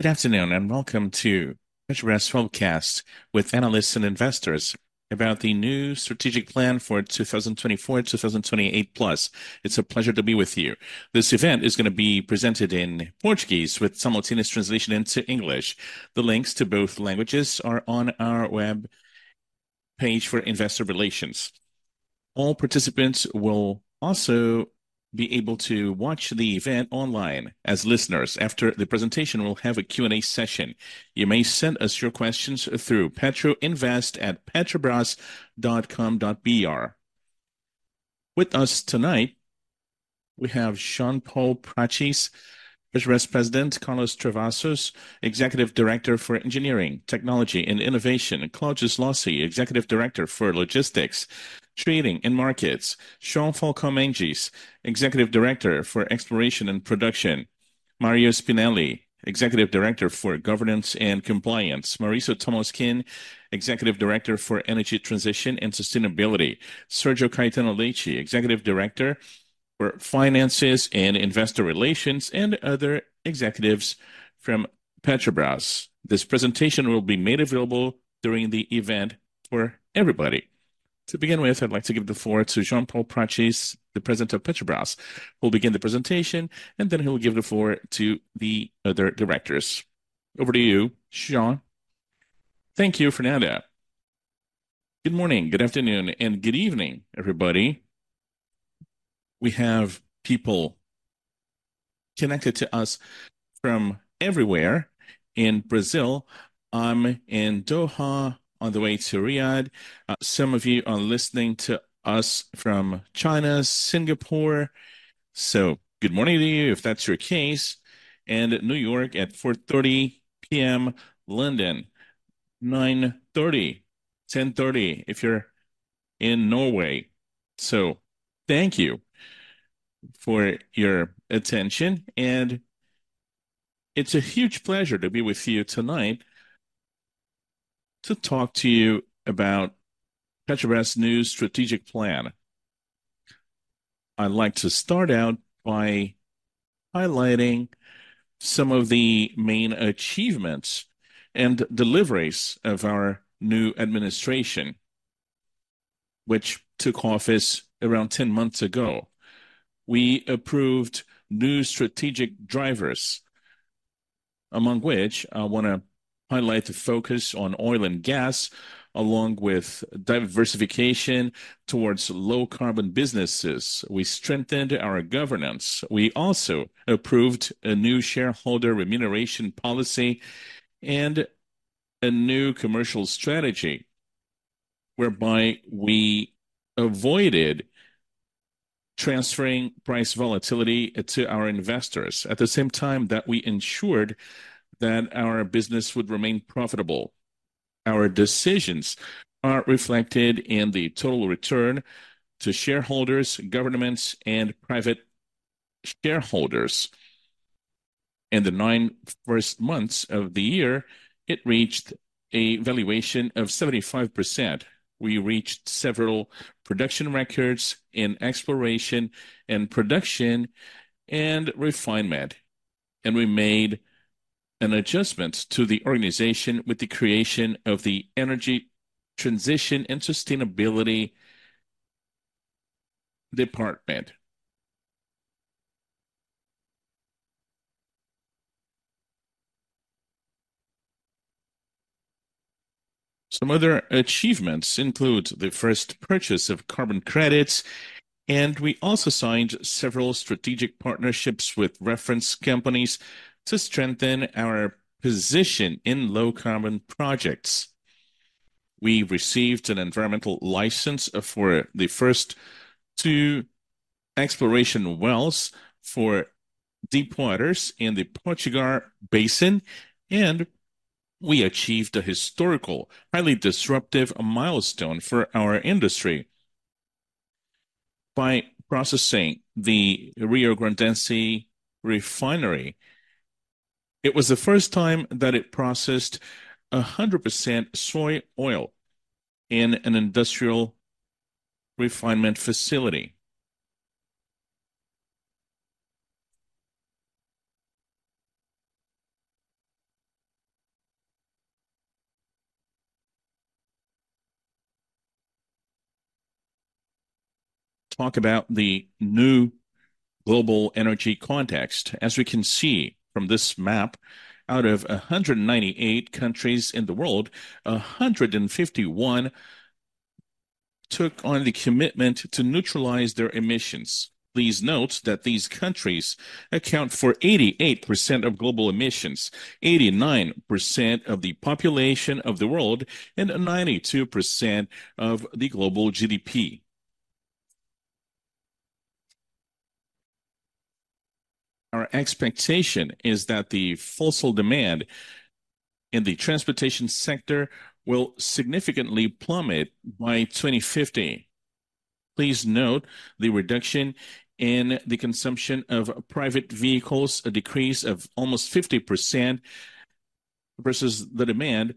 Good afternoon, and welcome to the Petrobras webcast with analysts and investors about the new strategic plan for 2024-2028+. It's a pleasure to be with you. This event is gonna be presented in Portuguese with simultaneous translation into English. The links to both languages are on our web page for investor relations. All participants will also be able to watch the event online as listeners. After the presentation, we'll have a Q&A session. You may send us your questions through petroinvest@petrobras.com.br. With us tonight, we have Jean Paul Prates, Petrobras President, Carlos Travassos, Executive Director for Engineering, Technology, and Innovation, Claudio Schlosser, Executive Director for Logistics, Trading, and Markets, Joelson Falcão Mendes, Executive Director for Exploration and Production, Mário Spinelli, Executive Director for Governance and Compliance, Maurício Tolmasquim, Executive Director for Energy Transition and Sustainability, Sérgio Caetano Leite, Executive Director for Finance and Investor Relations, and other executives from Petrobras. This presentation will be made available during the event for everybody. To begin with, I'd like to give the floor to Jean Paul Prates, the president of Petrobras, who will begin the presentation, and then he will give the floor to the other directors. Over to you, Jean. Thank you, Fernando. Good morning, good afternoon, and good evening, everybody. We have people connected to us from everywhere in Brazil. I'm in Doha, on the way to Riyadh. Some of you are listening to us from China, Singapore, so good morning to you if that's your case, and New York at 4:30 P.M., London 9:30, 10:30, if you're in Norway. So thank you for your attention, and it's a huge pleasure to be with you tonight to talk to you about Petrobras' new strategic plan. I'd like to start out by highlighting some of the main achievements and deliveries of our new administration, which took office around 10 months ago. We approved new strategic drivers, among which I wanna highlight the focus on oil and gas, along with diversification towards low-carbon businesses. We strengthened our governance. We also approved a new shareholder remuneration policy and a new commercial strategy, whereby we avoided transferring price volatility to our investors, at the same time that we ensured that our business would remain profitable. Our decisions are reflected in the total return to shareholders, governments, and private shareholders. In the first nine months of the year, it reached a valuation of 75%. We reached several production records in exploration and production and refining, and we made an adjustment to the organization with the creation of the Energy Transition and Sustainability Department. Some other achievements include the first purchase of carbon credits, and we also signed several strategic partnerships with reference companies to strengthen our position in low-carbon projects. We received an environmental license for the first, two exploration wells for deep waters in the Potiguar Basin, and we achieved a historical, highly disruptive milestone for our industry by processing the Riograndense Refinery. It was the first time that it processed 100% soy oil in an industrial refining facility. Talk about the new global energy context. As we can see from this map, out of 198 countries in the world, 151 took on the commitment to neutralize their emissions. Please note that these countries account for 88% of global emissions, 89% of the population of the world, and 92% of the global GDP. Our expectation is that the fossil demand in the transportation sector will significantly plummet by 2050. Please note the reduction in the consumption of private vehicles, a decrease of almost 50% versus the demand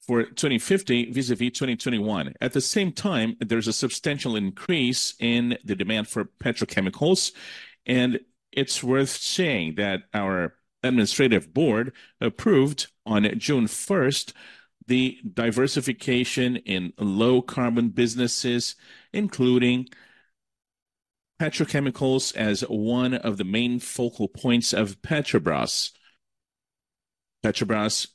for 2050 vis-à-vis 2021. At the same time, there's a substantial increase in the demand for petrochemicals, and it's worth saying that our administrative board approved on June 1, the diversification in low-carbon businesses, including petrochemicals, as one of the main focal points of Petrobras. Petrobras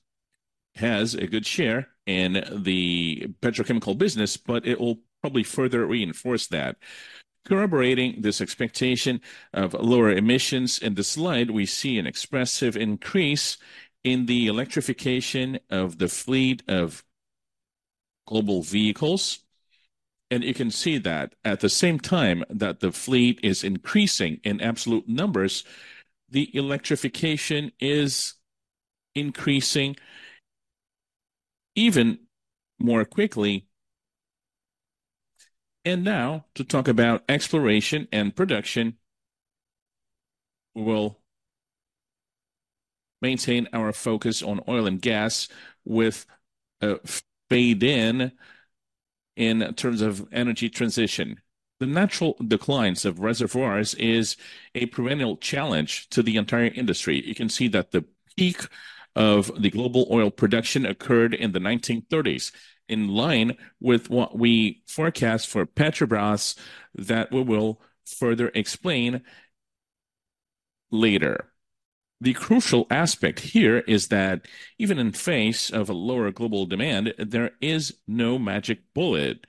has a good share in the petrochemical business, but it will probably further reinforce that. Corroborating this expectation of lower emissions, in this slide, we see an expressive increase in the electrification of the fleet of global vehicles. You can see that at the same time that the fleet is increasing in absolute numbers, the electrification is increasing even more quickly. Now, to talk about exploration and production, we'll maintain our focus on oil and gas, with phased-in energy transition. The natural declines of reservoirs is a perennial challenge to the entire industry. You can see that the peak of the global oil production occurred in the 1930s, in line with what we forecast for Petrobras, that we will further explain later. The crucial aspect here is that even in face of a lower global demand, there is no magic bullet.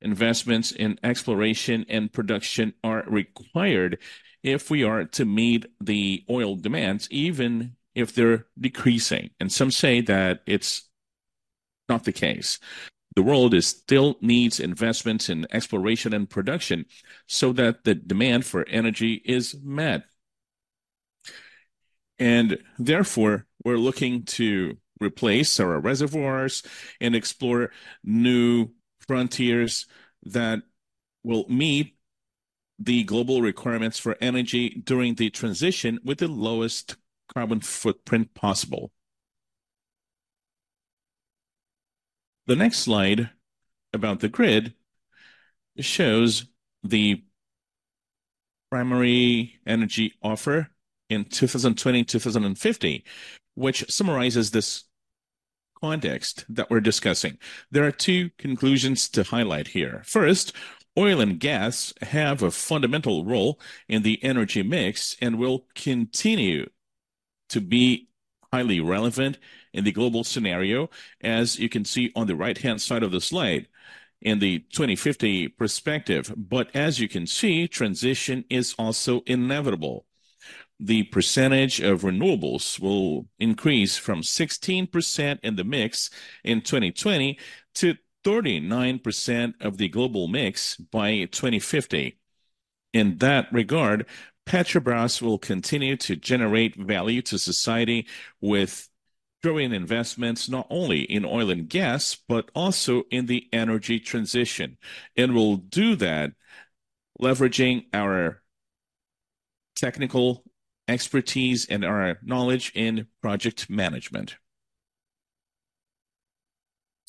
Investments in exploration and production are required if we are to meet the oil demands, even if they're decreasing. Some say that it's not the case. The world still needs investments in exploration and production so that the demand for energy is met. Therefore, we're looking to replace our reservoirs and explore new frontiers that will meet the global requirements for energy during the transition with the lowest carbon footprint possible. The next slide about the grid shows the primary energy offer in 2020, 2050, which summarizes this context that we're discussing. There are two conclusions to highlight here. First, oil and gas have a fundamental role in the energy mix and will continue to be highly relevant in the global scenario, as you can see on the right-hand side of the slide, in the 2050 perspective. But as you can see, transition is also inevitable. The percentage of renewables will increase from 16% in the mix in 2020 to 39% of the global mix by 2050. In that regard, Petrobras will continue to generate value to society with growing investments, not only in oil and gas, but also in the energy transition. And we'll do that leveraging our technical expertise and our knowledge in project management.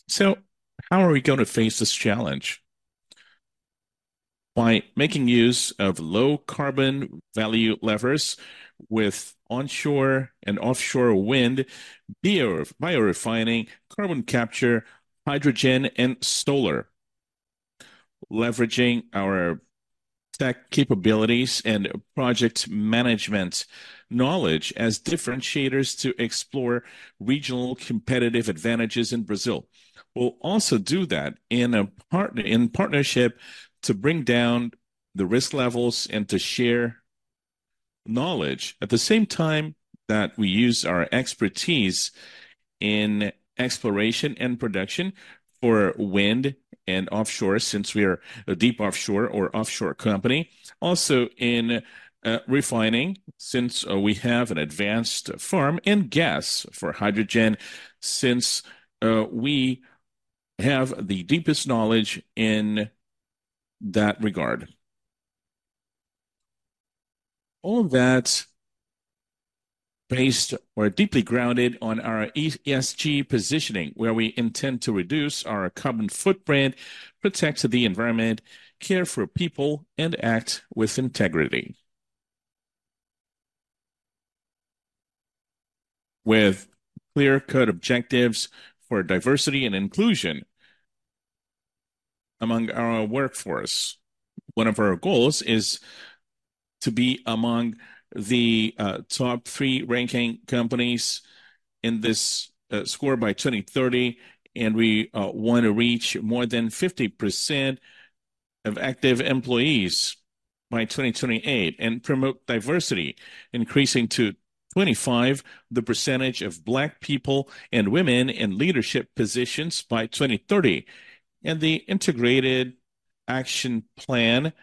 So how are we going to face this challenge? By making use of low-carbon value levers with onshore and offshore wind, bio, biorefining, carbon capture, hydrogen, and solar, leveraging our tech capabilities and project management knowledge as differentiators to explore regional competitive advantages in Brazil. We'll also do that in partnership to bring down the risk levels and to share knowledge. At the same time that we use our expertise in exploration and production for wind and offshore, since we are a deep offshore or offshore company, also in refining, since we have an advanced farm, and gas for hydrogen, since we have the deepest knowledge in that regard. All that based or deeply grounded on our ESG positioning, where we intend to reduce our carbon footprint, protect the environment, care for people, and act with integrity. With clear-cut objectives for diversity and inclusion among our workforce. One of our goals is to be among the top three ranking companies in this score by 2030, and we want to reach more than 50% of active employees by 2028 and promote diversity, increasing to 25% the percentage of Black people and women in leadership positions by 2030, and the integrated action plan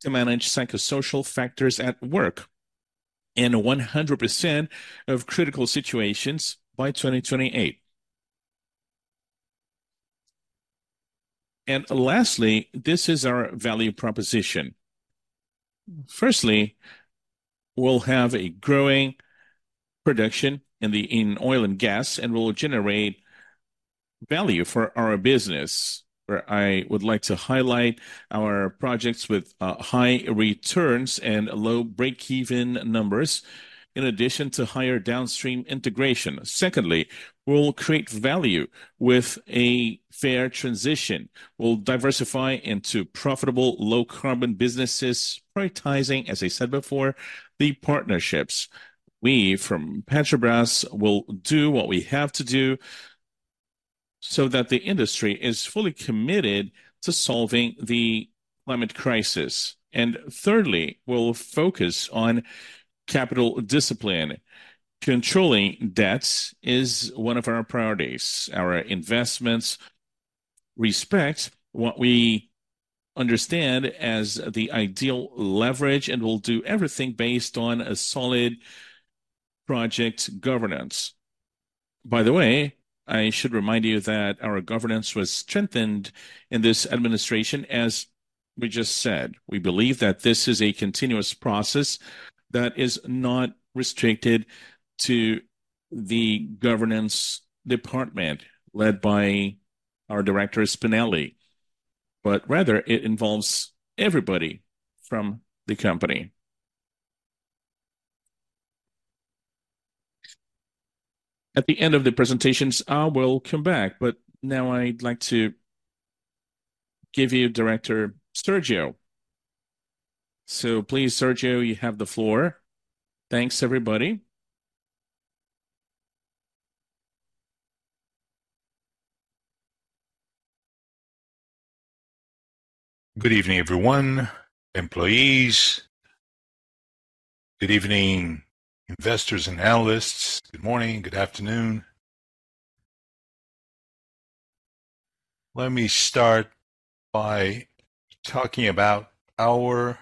to manage psychosocial factors at work in 100% of critical situations by 2028. Lastly, this is our value proposition. Firstly, we'll have a growing production in the in oil and gas, and will generate value for our business, where I would like to highlight our projects with high returns and low breakeven numbers, in addition to higher downstream integration. Secondly, we'll create value with a fair transition. We'll diversify into profitable low-carbon businesses, prioritizing, as I said before, the partnerships. We from Petrobras will do what we have to do so that the industry is fully committed to solving the climate crisis. Thirdly, we'll focus on capital discipline. Controlling debts is one of our priorities. Our investments respect what we understand as the ideal leverage, and we'll do everything based on a solid project governance. By the way, I should remind you that our governance was strengthened in this administration, as we just said. We believe that this is a continuous process that is not restricted to the governance department, led by our Director Spinelli, but rather it involves everybody from the company. At the end of the presentations, I will come back, but now I'd like to give you Director Sérgio. So please, Sérgio, you have the floor. Thanks, everybody. Good evening, everyone, employees. Good evening, investors and analysts. Good morning, good afternoon. Let me start by talking about our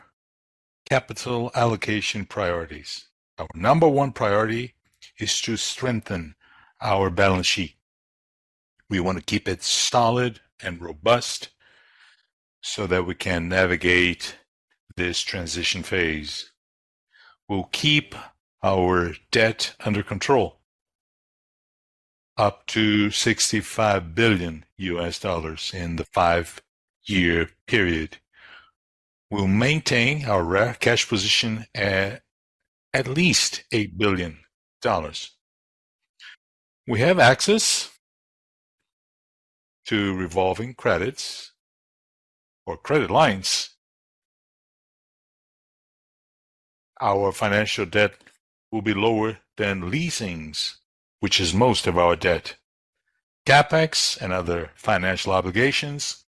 capital allocation priorities. Our number one priority is to strengthen our balance sheet. We want to keep it solid and robust so that we can navigate this transition phase. We'll keep our debt under control, up to $65 billion in the five-year period. We'll maintain our cash position at least $8 billion. We have access to revolving credits or credit lines. Our financial debt will be lower than leasings, which is most of our debt. CapEx and other financial obligations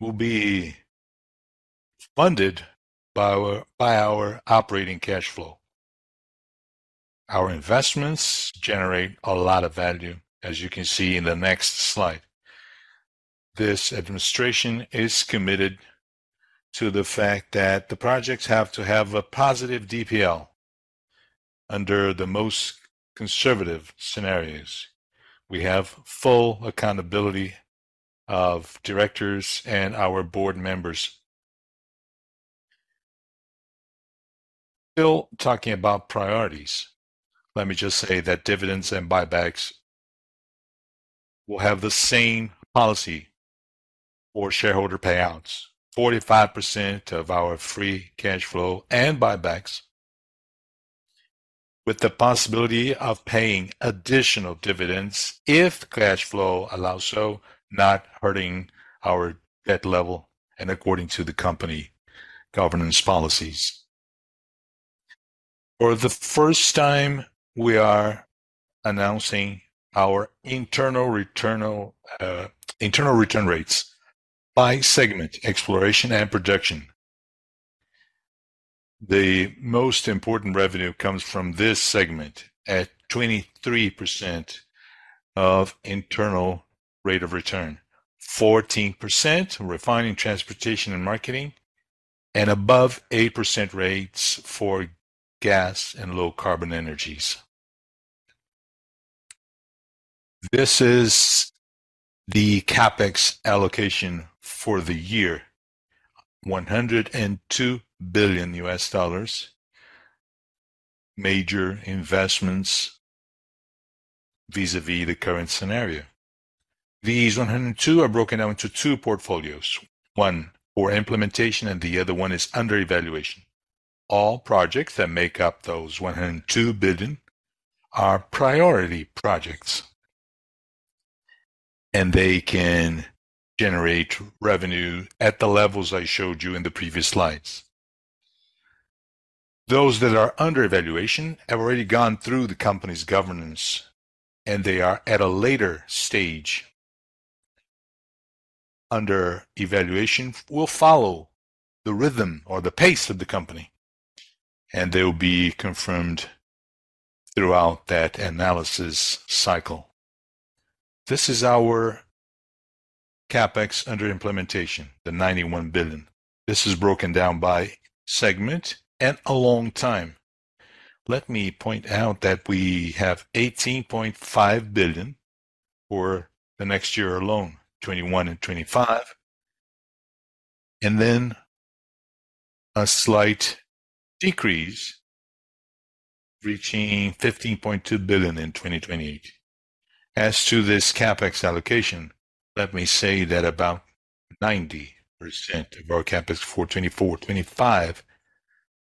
will be funded by our operating cash flow. Our investments generate a lot of value, as you can see in the next slide. This administration is committed to the fact that the projects have to have a positive DPL under the most conservative scenarios. We have full accountability of directors and our board members. Still talking about priorities, let me just say that dividends and buybacks will have the same policy for shareholder payouts: 45% of our free cash flow and buybacks, with the possibility of paying additional dividends if cash flow allows so, not hurting our debt level and according to the company governance policies. For the first time, we are announcing our internal return rates by segment, exploration and production. The most important revenue comes from this segment at 23% of internal rate of return, 14% refining, transportation, and marketing, and above 8% rates for gas and low-carbon energies. This is the CapEx allocation for the year, $102 billion, major investments vis-à-vis the current scenario. These 102 are broken down into two portfolios, one for implementation, and the other one is under evaluation. All projects that make up those $102 billion are priority projects, and they can generate revenue at the levels I showed you in the previous slides. Those that are under evaluation have already gone through the company's governance, and they are at a later stage. Under evaluation, we'll follow the rhythm or the pace of the company, and they will be confirmed throughout that analysis cycle. This is our CapEx under implementation, the $91 billion. This is broken down by segment and a long time. Let me point out that we have $18.5 billion for the next year alone, $21 billion and $25 billion, and then a slight decrease, reaching $15.2 billion in 2028. As to this CapEx allocation, let me say that about 90% of our CapEx for 2024-2025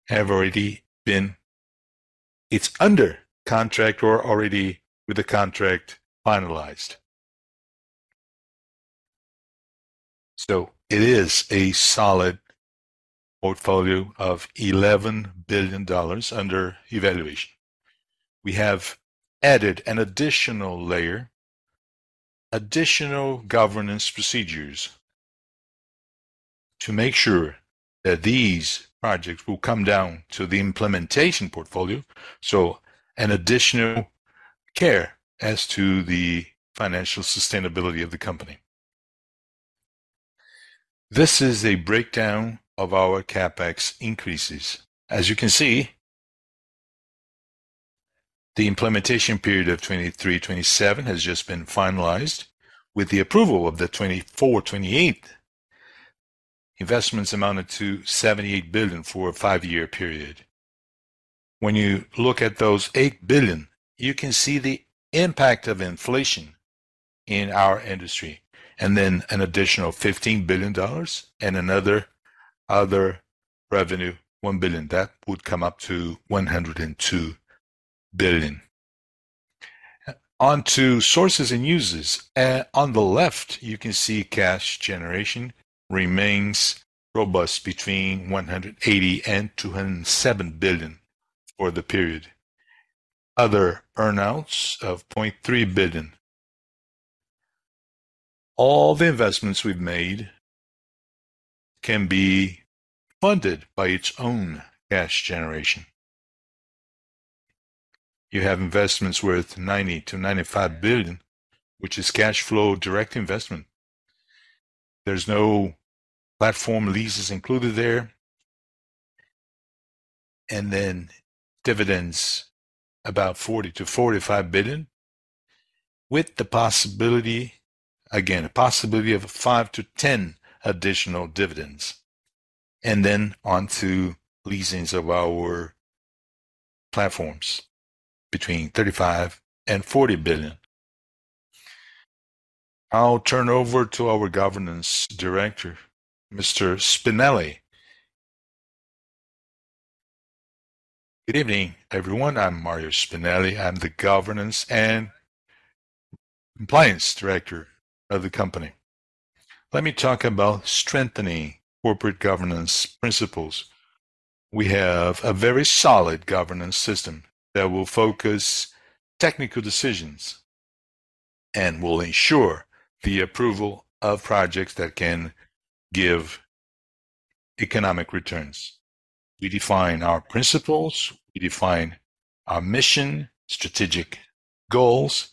have already been—it's under contract or already with the contract finalized. So it is a solid portfolio of $11 billion under evaluation. We have added an additional layer, additional governance procedures, to make sure that these projects will come down to the implementation portfolio, so an additional care as to the financial sustainability of the company. This is a breakdown of our CapEx increases. As you can see, the implementation period of 2023-2027 has just been finalized, with the approval of the 2024-2028. Investments amounted to $78 billion for a five-year period. When you look at those $8 billion, you can see the impact of inflation in our industry, and then an additional $15 billion dollars and another other revenue, $1 billion, that would come up to $102 billion. On to sources and uses. On the left, you can see cash generation remains robust between $180 billion and $207 billion for the period. Other earn-outs of $0.3 billion. All the investments we've made can be funded by its own cash generation. You have investments worth $90 billion-$95 billion, which is cash flow, direct investment. There's no platform leases included there. And then dividends, about $40 billion-$45 billion, with the possibility, again, a possibility of 5-10 additional dividends. And then on to leasings of our platforms between $35 billion and $40 billion. I'll turn over to our Governance Director, Mr. Spinelli. Good evening, everyone. I'm Mário Spinelli. I'm the Governance and Compliance Director of the company. Let me talk about strengthening corporate governance principles. We have a very solid governance system that will focus technical decisions and will ensure the approval of projects that can give economic returns. We define our principles, we define our mission, strategic goals,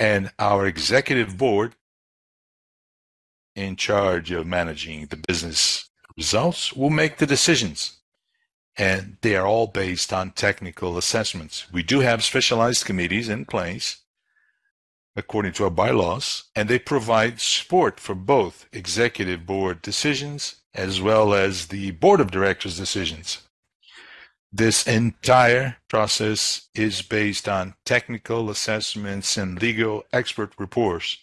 and our executive board in charge of managing the business results will make the decisions, and they are all based on technical assessments. We do have specialized committees in place according to our bylaws, and they provide support for both executive board decisions as well as the board of directors' decisions. This entire process is based on technical assessments and legal expert reports.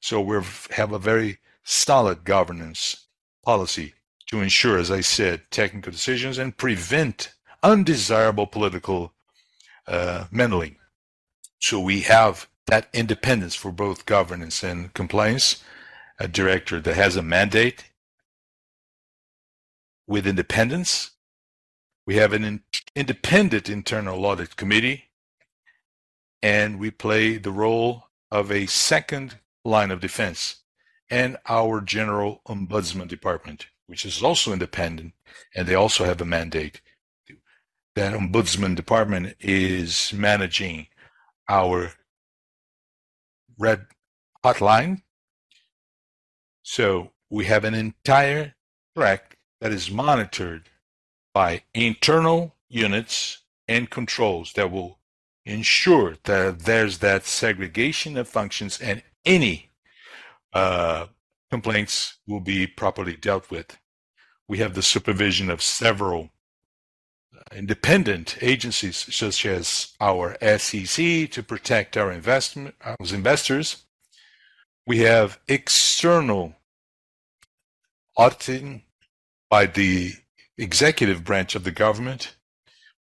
So we have a very solid governance policy to ensure, as I said, technical decisions and prevent undesirable political meddling. So we have that independence for both governance and compliance. A director that has a mandate with independence. We have an independent internal audit committee, and we play the role of a second line of defense. And our general ombudsman department, which is also independent, and they also have a mandate. That ombudsman department is managing our red hotline. So we have an entire track that is monitored by internal units and controls that will ensure that there's that segregation of functions, and any complaints will be properly dealt with. We have the supervision of several independent agencies, such as our SEC, to protect our investment, our investors. We have external auditing by the executive branch of the government.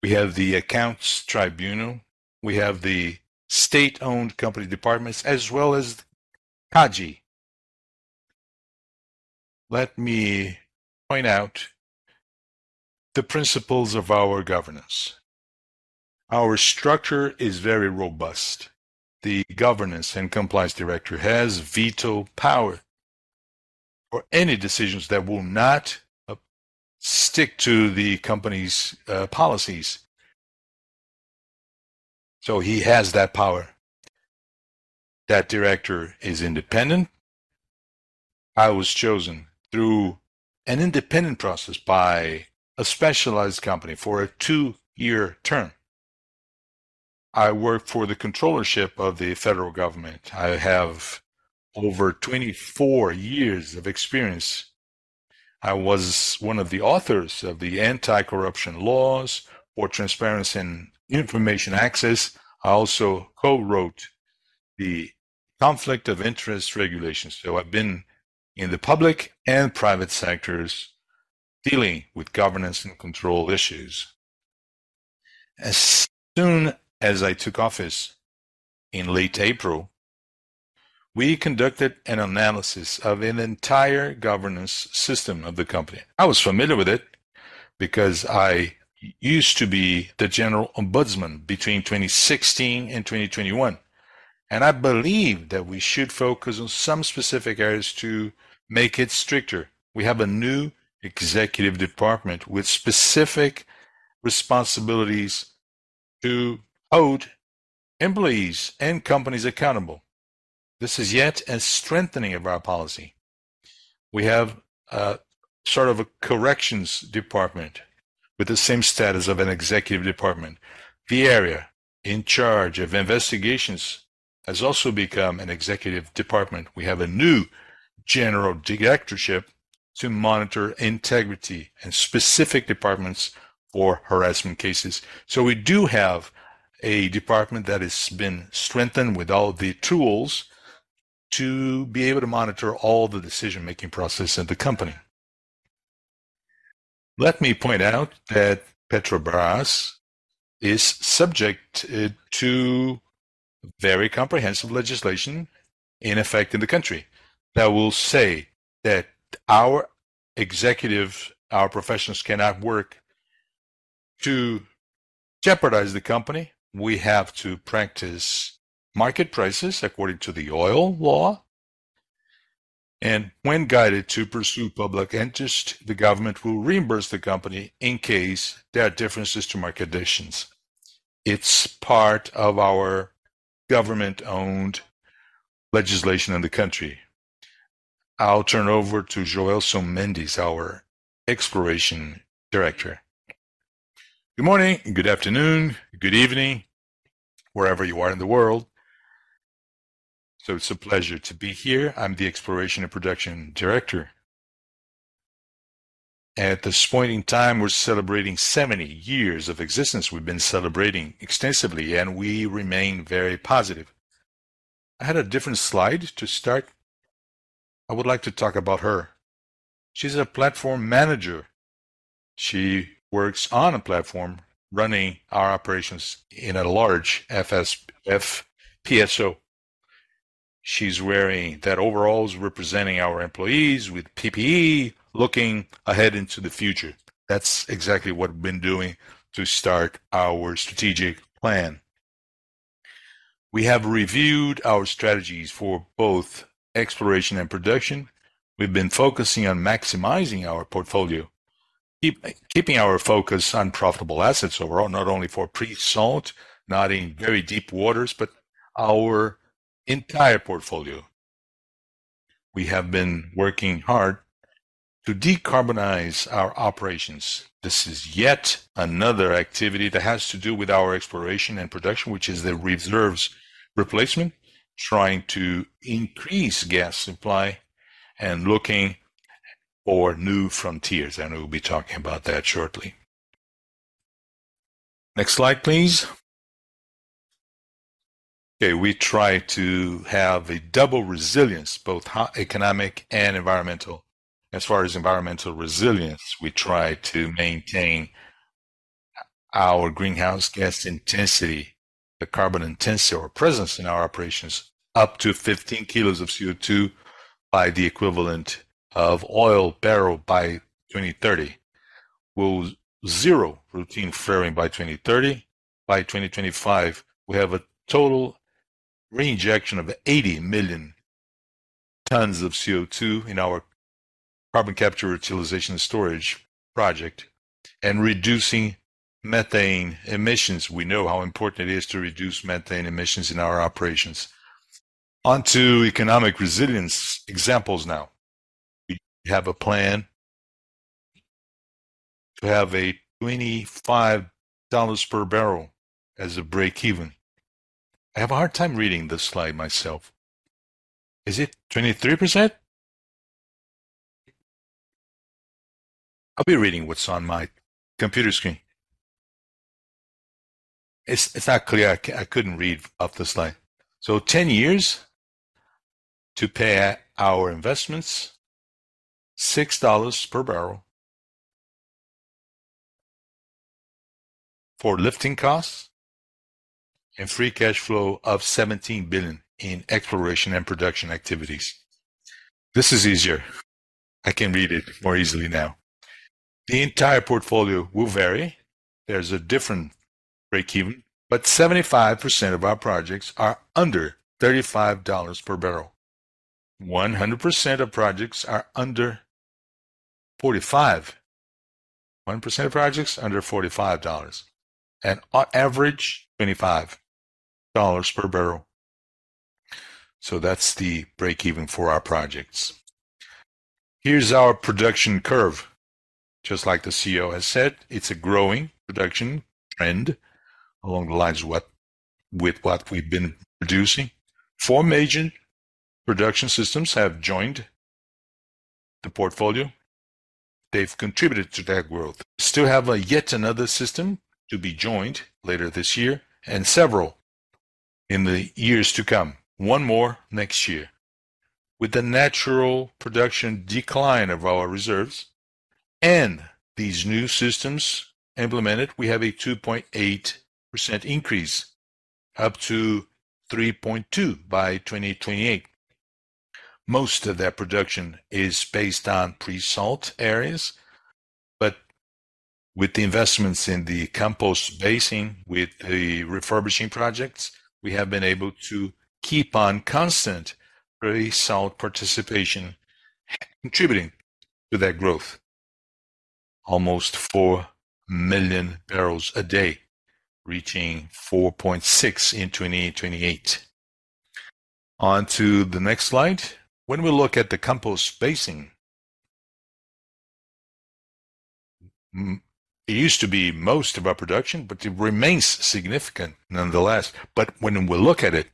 We have the Accounts Tribunal, we have the state-owned company departments, as well as CAGU. Let me point out the principles of our governance. Our structure is very robust. The governance and compliance director has veto power for any decisions that will not stick to the company's policies. So he has that power. That director is independent. I was chosen through an independent process by a specialized company for a two-year term. I work for the controllership of the federal government. I have over 24 years of experience. I was one of the authors of the anti-corruption laws for transparency and information access. I also co-wrote the conflict of interest regulations, so I've been in the public and private sectors dealing with governance and control issues. As soon as I took office in late April, we conducted an analysis of an entire governance system of the company. I was familiar with it because I used to be the general ombudsman between 2016 and 2021, and I believe that we should focus on some specific areas to make it stricter. We have a new executive department with specific responsibilities to hold employees and companies accountable. This is yet a strengthening of our policy. We have, sort of a corrections department with the same status of an executive department. The area in charge of investigations has also become an executive department. We have a new general directorship to monitor integrity and specific departments for harassment cases. So we do have a department that has been strengthened with all the tools to be able to monitor all the decision-making processes of the company. Let me point out that Petrobras is subject to very comprehensive legislation in effect in the country, that will say that our executive, our professionals, cannot work to jeopardize the company. We have to practice market prices according to the oil law, and when guided to pursue public interest, the government will reimburse the company in case there are differences to market conditions. It's part of our government-owned legislation in the country. I'll turn over to, Joelson Falcão Mendes our Exploration Director. Good morning, good afternoon, good evening, wherever you are in the world. So it's a pleasure to be here. I'm the Exploration and Production Director. At this point in time, we're celebrating 70 years of existence. We've been celebrating extensively, and we remain very positive. I had a different slide to start. I would like to talk about her. She's a platform manager. She works on a platform running our operations in a large FPSO. She's wearing those overalls, representing our employees with PPE, looking ahead into the future. That's exactly what we've been doing to start our strategic plan. We have reviewed our strategies for both exploration and production. We've been focusing on maximizing our portfolio, keeping our focus on profitable assets overall, not only for pre-salt, not in very deep waters, but our entire portfolio. We have been working hard to decarbonize our operations. This is yet another activity that has to do with our exploration and production, which is the reserves replacement, trying to increase gas supply and looking for new frontiers, and we'll be talking about that shortly. Next slide, please. Okay, we try to have a double resilience, both economic and environmental. As far as environmental resilience, we try to maintain our greenhouse gas intensity, the carbon intensity or presence in our operations, up to 15 kg of CO2 per equivalent of oil barrel by 2030. We'll zero routine flaring by 2030. By 2025, we have a total reinjection of 80 million tons of CO2 in our carbon capture utilization storage project and reducing methane emissions. We know how important it is to reduce methane emissions in our operations. Onto economic resilience examples now. We have a plan to have a $25 per barrel as a breakeven. I have a hard time reading this slide myself. Is it 23%? I'll be reading what's on my computer screen. It's not clear. I couldn't read off the slide. So 10 years to pay our investments, $6 per barrel for lifting costs, and free cash flow of $17 billion in exploration and production activities. This is easier. I can read it more easily now. The entire portfolio will vary. There's a different breakeven, but 75% of our projects are under $35 per barrel. 100% of projects are under $45. 1% of projects under $45 per barrel, at on average, $25 per barrel. So that's the breakeven for our projects. Here's our production curve. Just like the CEO has said, it's a growing production trend along the lines of with what we've been producing. 4 major production systems have joined the portfolio. They've contributed to that growth. Still have yet another system to be joined later this year, and several in the years to come. 1 more next year. With the natural production decline of our reserves and these new systems implemented, we have a 2.8% increase, up to 3.2 by 2028. Most of that production is based on pre-salt areas, but with the investments in the Campos Basin, with the refurbishing projects, we have been able to keep on constant pre-salt participation, contributing to that growth. Almost 4 million barrels a day, reaching 4.6 in 2028. On to the next slide. When we look at the Campos Basin, it used to be most of our production, but it remains significant nonetheless. But when we look at it,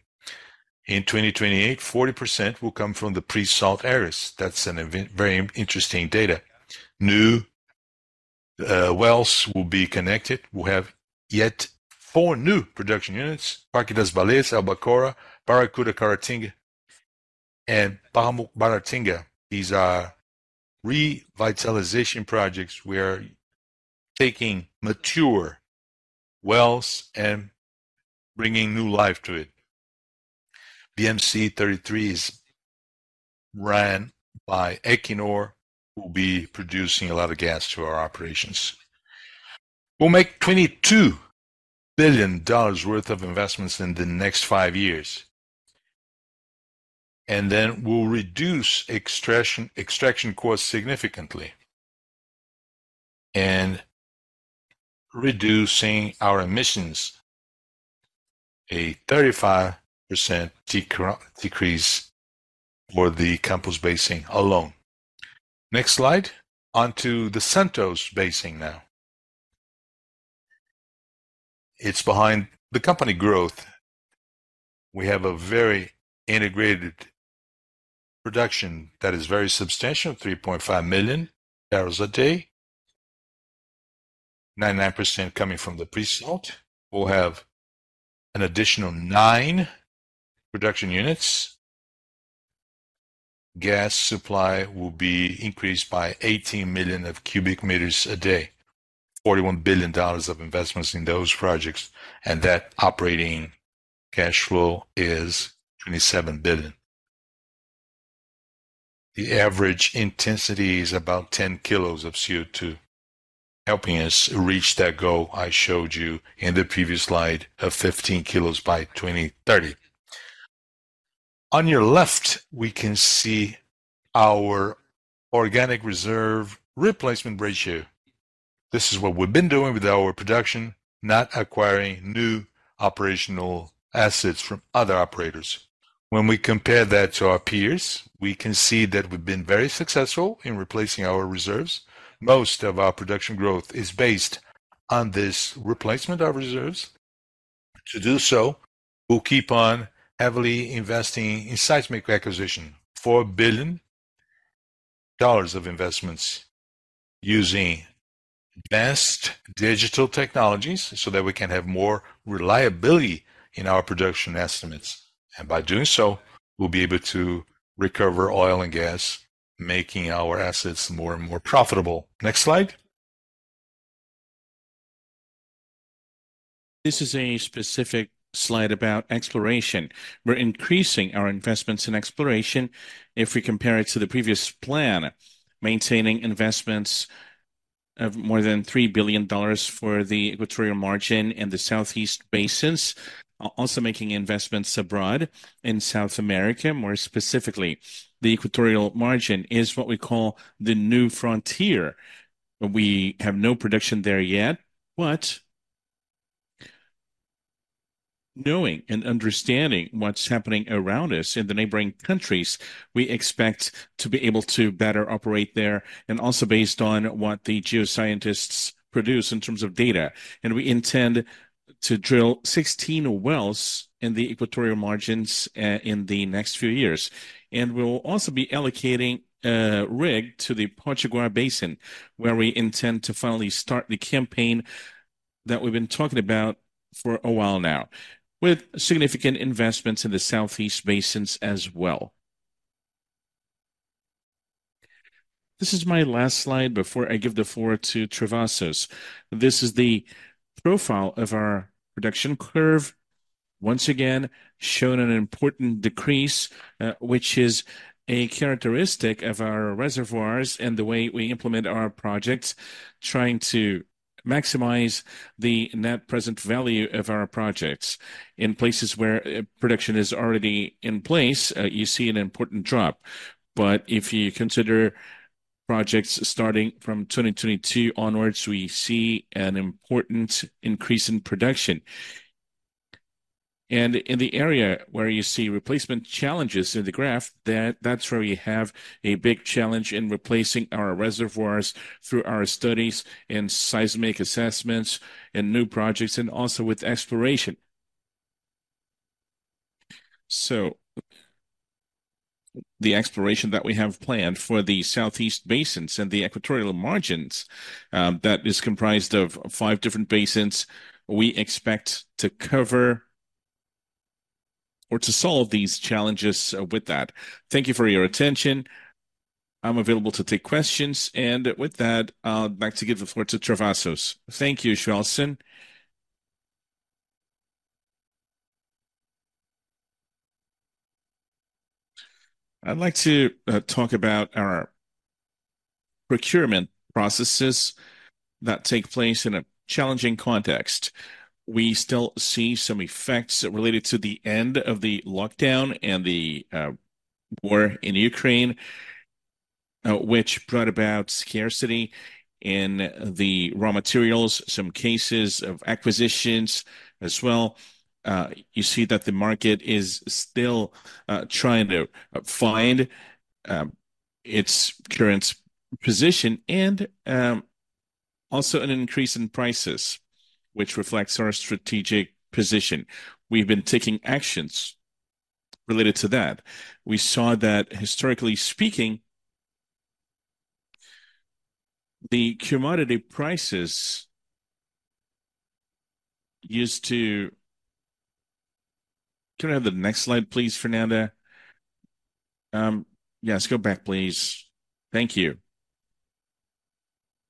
in 2028, 40% will come from the pre-salt areas. That's an even very interesting data. New wells will be connected. We'll have yet four new production units: Parque das Baleias, Albacora, Barracuda-Caratinga. These are revitalization projects. We are taking mature wells and bringing new life to it. BM-C-33 is run by Equinor, will be producing a lot of gas to our operations. We'll make $22 billion worth of investments in the next 5 years, and then we'll reduce extraction costs significantly, and reducing our emissions, a 35% decrease for the Campos Basin alone. Next slide. On to the Santos Basin now. It's behind the company growth. We have a very integrated production that is very substantial, 3.5 million barrels a day, 99% coming from the pre-salt. We'll have an additional 9 production units. Gas supply will be increased by 18 million cubic meters a day. $41 billion of investments in those projects, and that operating cash flow is $27 billion. The average intensity is about 10 kilos of CO2, helping us reach that goal I showed you in the previous slide of 15 kilos by 2030. On your left, we can see our organic reserve replacement ratio. This is what we've been doing with our production, not acquiring new operational assets from other operators. When we compare that to our peers, we can see that we've been very successful in replacing our reserves. Most of our production growth is based on this replacement of reserves. To do so, we'll keep on heavily investing in seismic acquisition. $4 billion of investments using best digital technologies so that we can have more reliability in our production estimates. And by doing so, we'll be able to recover oil and gas, making our assets more and more profitable. Next slide. This is a specific slide about exploration. We're increasing our investments in exploration if we compare it to the previous plan, maintaining investments of more than $3 billion for the Equatorial Margin and the Southeast Basins. Also making investments abroad in South America, more specifically, the Equatorial Margin is what we call the new frontier. We have no production there yet, but knowing and understanding what's happening around us in the neighboring countries, we expect to be able to better operate there, and also based on what the geoscientists produce in terms of data. We intend to drill 16 wells in the Equatorial Margins, in the next few years. We'll also be allocating a rig to the Potiguar Basin, where we intend to finally start the campaign that we've been talking about for a while now, with significant investments in the Southeast Basins as well. This is my last slide before I give the floor to Travassos. This is the profile of our production curve. Once again, shown an important decrease, which is a characteristic of our reservoirs and the way we implement our projects, trying to maximize the net present value of our projects. In places where production is already in place, you see an important drop. But if you consider projects starting from 2022 onwards, we see an important increase in production. And in the area where you see replacement challenges in the graph, that's where we have a big challenge in replacing our reservoirs through our studies and seismic assessments, and new projects, and also with exploration. So the exploration that we have planned for the southeast basins and the Equatorial Margin, that is comprised of five different basins, we expect to cover or to solve these challenges with that. Thank you for your attention. I'm available to take questions. And with that, I'd like to give the floor to Travassos. Thank you, Falcão Mendes. I'd like to talk about our procurement processes that take place in a challenging context. We still see some effects related to the end of the lockdown and the war in Ukraine, which brought about scarcity in the raw materials, some cases of acquisitions as well. You see that the market is still trying to find its current position, and also an increase in prices, which reflects our strategic position. We've been taking actions related to that. We saw that, historically speaking, the commodity prices used to. Can I have the next slide, please, Fernanda? Yes, go back, please. Thank you.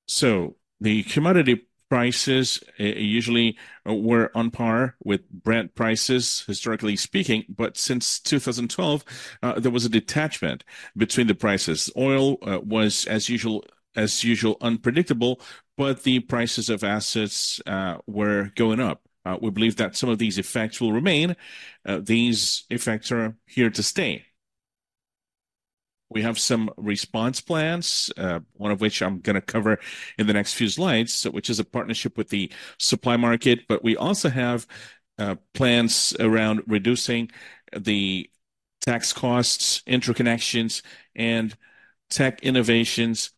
So the commodity prices usually were on par with Brent prices, historically speaking. But since 2012, there was a detachment between the prices. Oil was as usual, as usual, unpredictable, but the prices of assets were going up. We believe that some of these effects will remain. These effects are here to stay. We have some response plans, one of which I'm gonna cover in the next few slides, which is a partnership with the supply market. But we also have plans around reducing the tax costs, interconnections, and tech innovations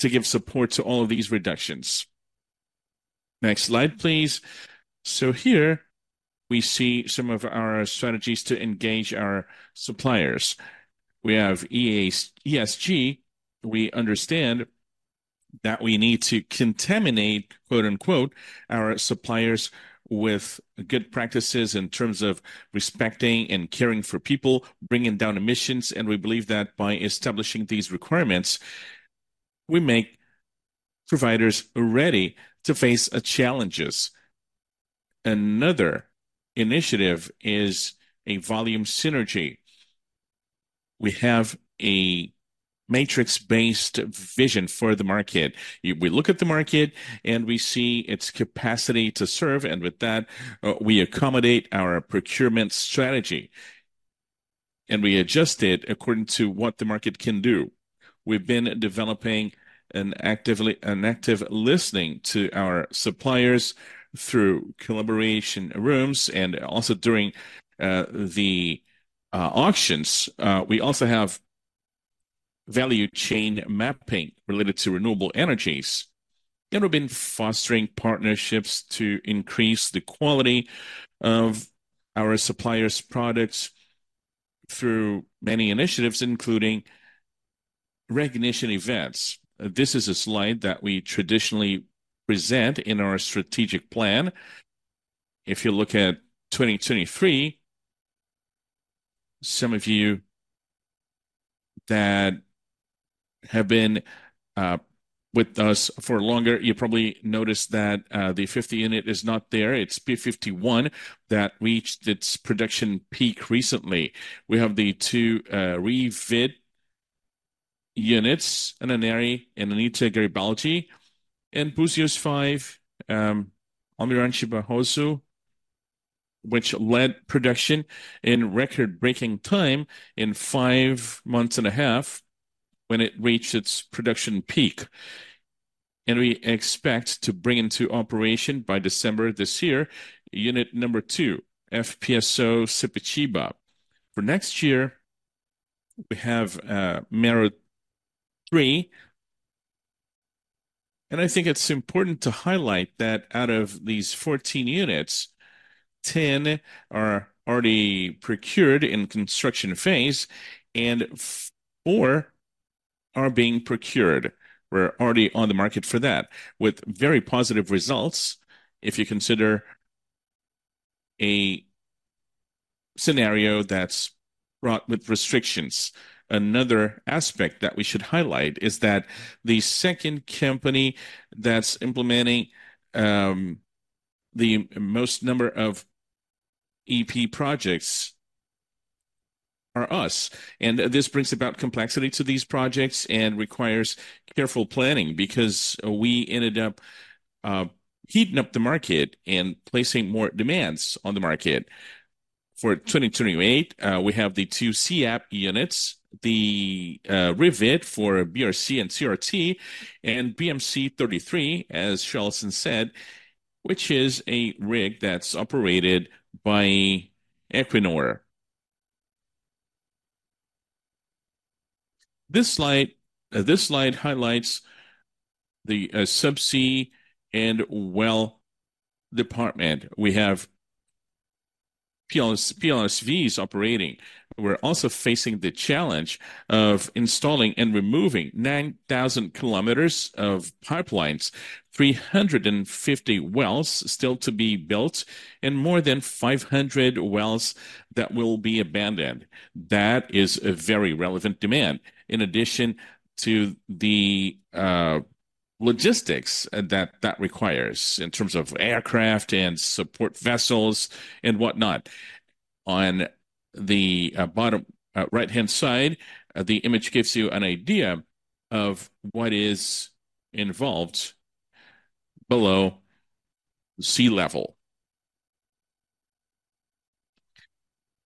to give support to all of these reductions. Next slide, please. So here we see some of our strategies to engage our suppliers. We have E&S-ESG. We understand that we need to contaminate, quote, unquote, "our suppliers" with good practices in terms of respecting and caring for people, bringing down emissions, and we believe that by establishing these requirements, we make providers ready to face challenges. Another initiative is a volume synergy. We have a matrix-based vision for the market. We look at the market, and we see its capacity to serve, and with that, we accommodate our procurement strategy, and we adjust it according to what the market can do. We've been developing an active listening to our suppliers through collaboration rooms and also during the auctions. We also have value chain mapping related to renewable energies, and we've been fostering partnerships to increase the quality of our suppliers' products through many initiatives, including recognition events. This is a slide that we traditionally present in our strategic plan. If you look at 2023, some of you that have been with us for longer, you probably noticed that the P-50 unit is not there. It's P-51 that reached its production peak recently. We have the two refit units, Anna Nery and Anita Garibaldi, and Búzios 5, Almirante Barroso, which led production in record-breaking time in 5 months and a half when it reached its production peak. We expect to bring into operation by December this year, unit number 2, FPSO Sepetiba. For next year, we have Mero 3, and I think it's important to highlight that out of these 14 units, 10 are already procured in construction phase, and 4 are being procured. We're already on the market for that, with very positive results if you consider a scenario that's wrought with restrictions. Another aspect that we should highlight is that the second company that's implementing the most number of E&P projects are us. This brings about complexity to these projects and requires careful planning, because we ended up heating up the market and placing more demands on the market. For 2028, we have the two SEAP units, the revitalization for BRC and CRT, and BMC-33, as Claudio said, which is a rig that's operated by Equinor. This slide highlights the subsea and well department. We have PLS, PSVs operating. We're also facing the challenge of installing and removing 9,000 kilometers of pipelines, 350 wells still to be built, and more than 500 wells that will be abandoned. That is a very relevant demand. In addition to the logistics that that requires in terms of aircraft and support vessels and whatnot. On the bottom right-hand side, the image gives you an idea of what is involved below sea level.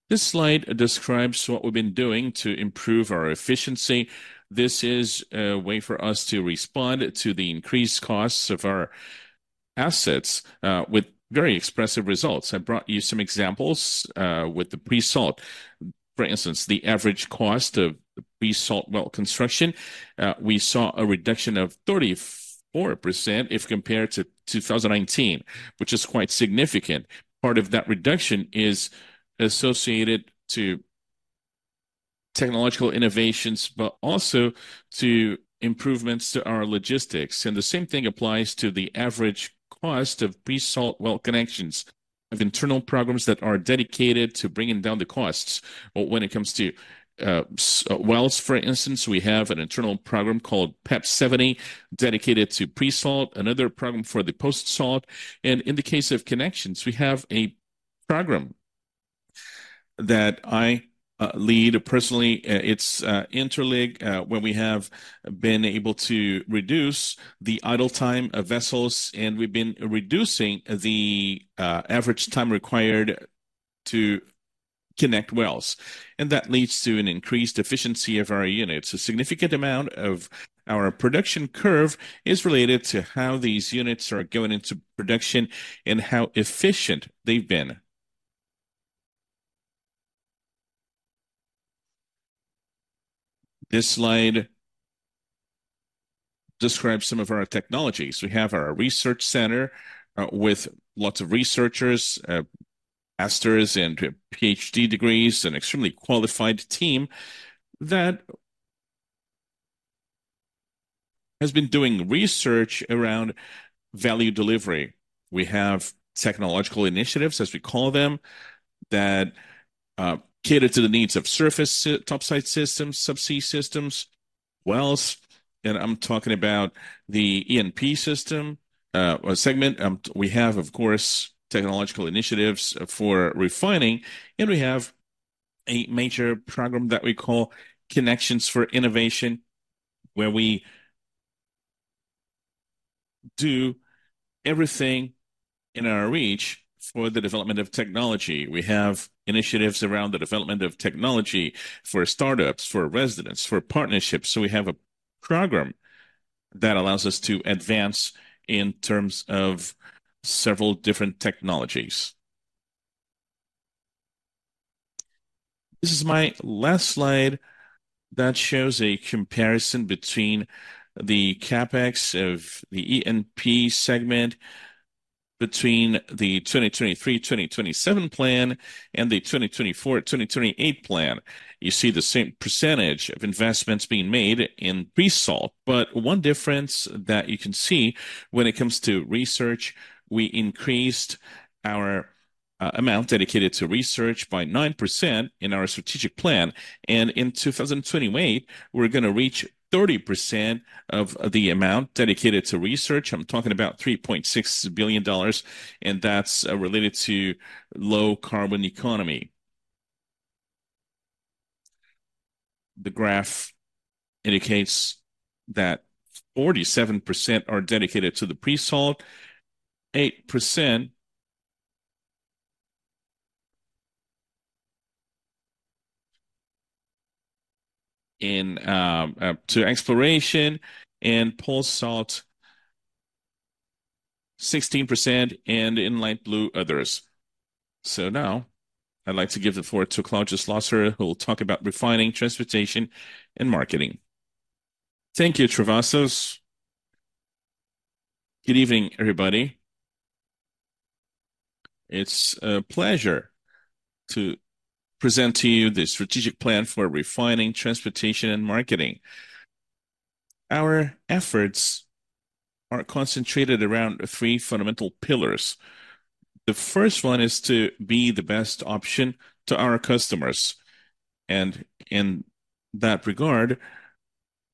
This slide describes what we've been doing to improve our efficiency. This is a way for us to respond to the increased costs of our assets, with very expressive results. I brought you some examples, with the pre-salt. For instance, the average cost of pre-salt well construction, we saw a reduction of 34% if compared to 2019, which is quite significant. Part of that reduction is associated to technological innovations, but also to improvements to our logistics. And the same thing applies to the average cost of pre-salt well connections. Of internal programs that are dedicated to bringing down the costs. When it comes to subsea wells, for instance, we have an internal program called PEP 70, dedicated to pre-salt, another program for the post-salt, and in the case of connections, we have a program that I lead personally. It's Interlig, where we have been able to reduce the idle time of vessels, and we've been reducing the average time required to connect wells, and that leads to an increased efficiency of our units. A significant amount of our production curve is related to how these units are going into production and how efficient they've been. This slide describes some of our technologies. We have our research center with lots of researchers, masters, and PhD degrees, an extremely qualified team that has been doing research around value delivery. We have technological initiatives, as we call them, that cater to the needs of surface topside systems, subsea systems, wells, and I'm talking about the E&P system, or segment. We have, of course, technological initiatives for refining, and we have a major program that we call Connections for Innovation, where we do everything in our reach for the development of technology. We have initiatives around the development of technology for startups, for residents, for partnerships. So we have a program that allows us to advance in terms of several different technologies. This is my last slide that shows a comparison between the CapEx of the E&P segment between the 2023/2027 plan and the 2024/2028 plan. You see the same percentage of investments being made in pre-salt, but one difference that you can see when it comes to research, we increased our amount dedicated to research by 9% in our strategic plan, and in 2028, we're gonna reach 30% of the amount dedicated to research. I'm talking about $3.6 billion, and that's related to low carbon economy. The graph indicates that 47% are dedicated to the pre-salt, 8% in to exploration, and post-salt 16%, and in light blue, others. So now I'd like to give the floor to Claudio Schlosser, who will talk about refining, transportation, and marketing. Thank you, Travassos. Good evening, everybody. It's a pleasure to present to you the strategic plan for refining, transportation, and marketing. Our efforts are concentrated around three fundamental pillars. The first one is to be the best option to our customers, and in that regard,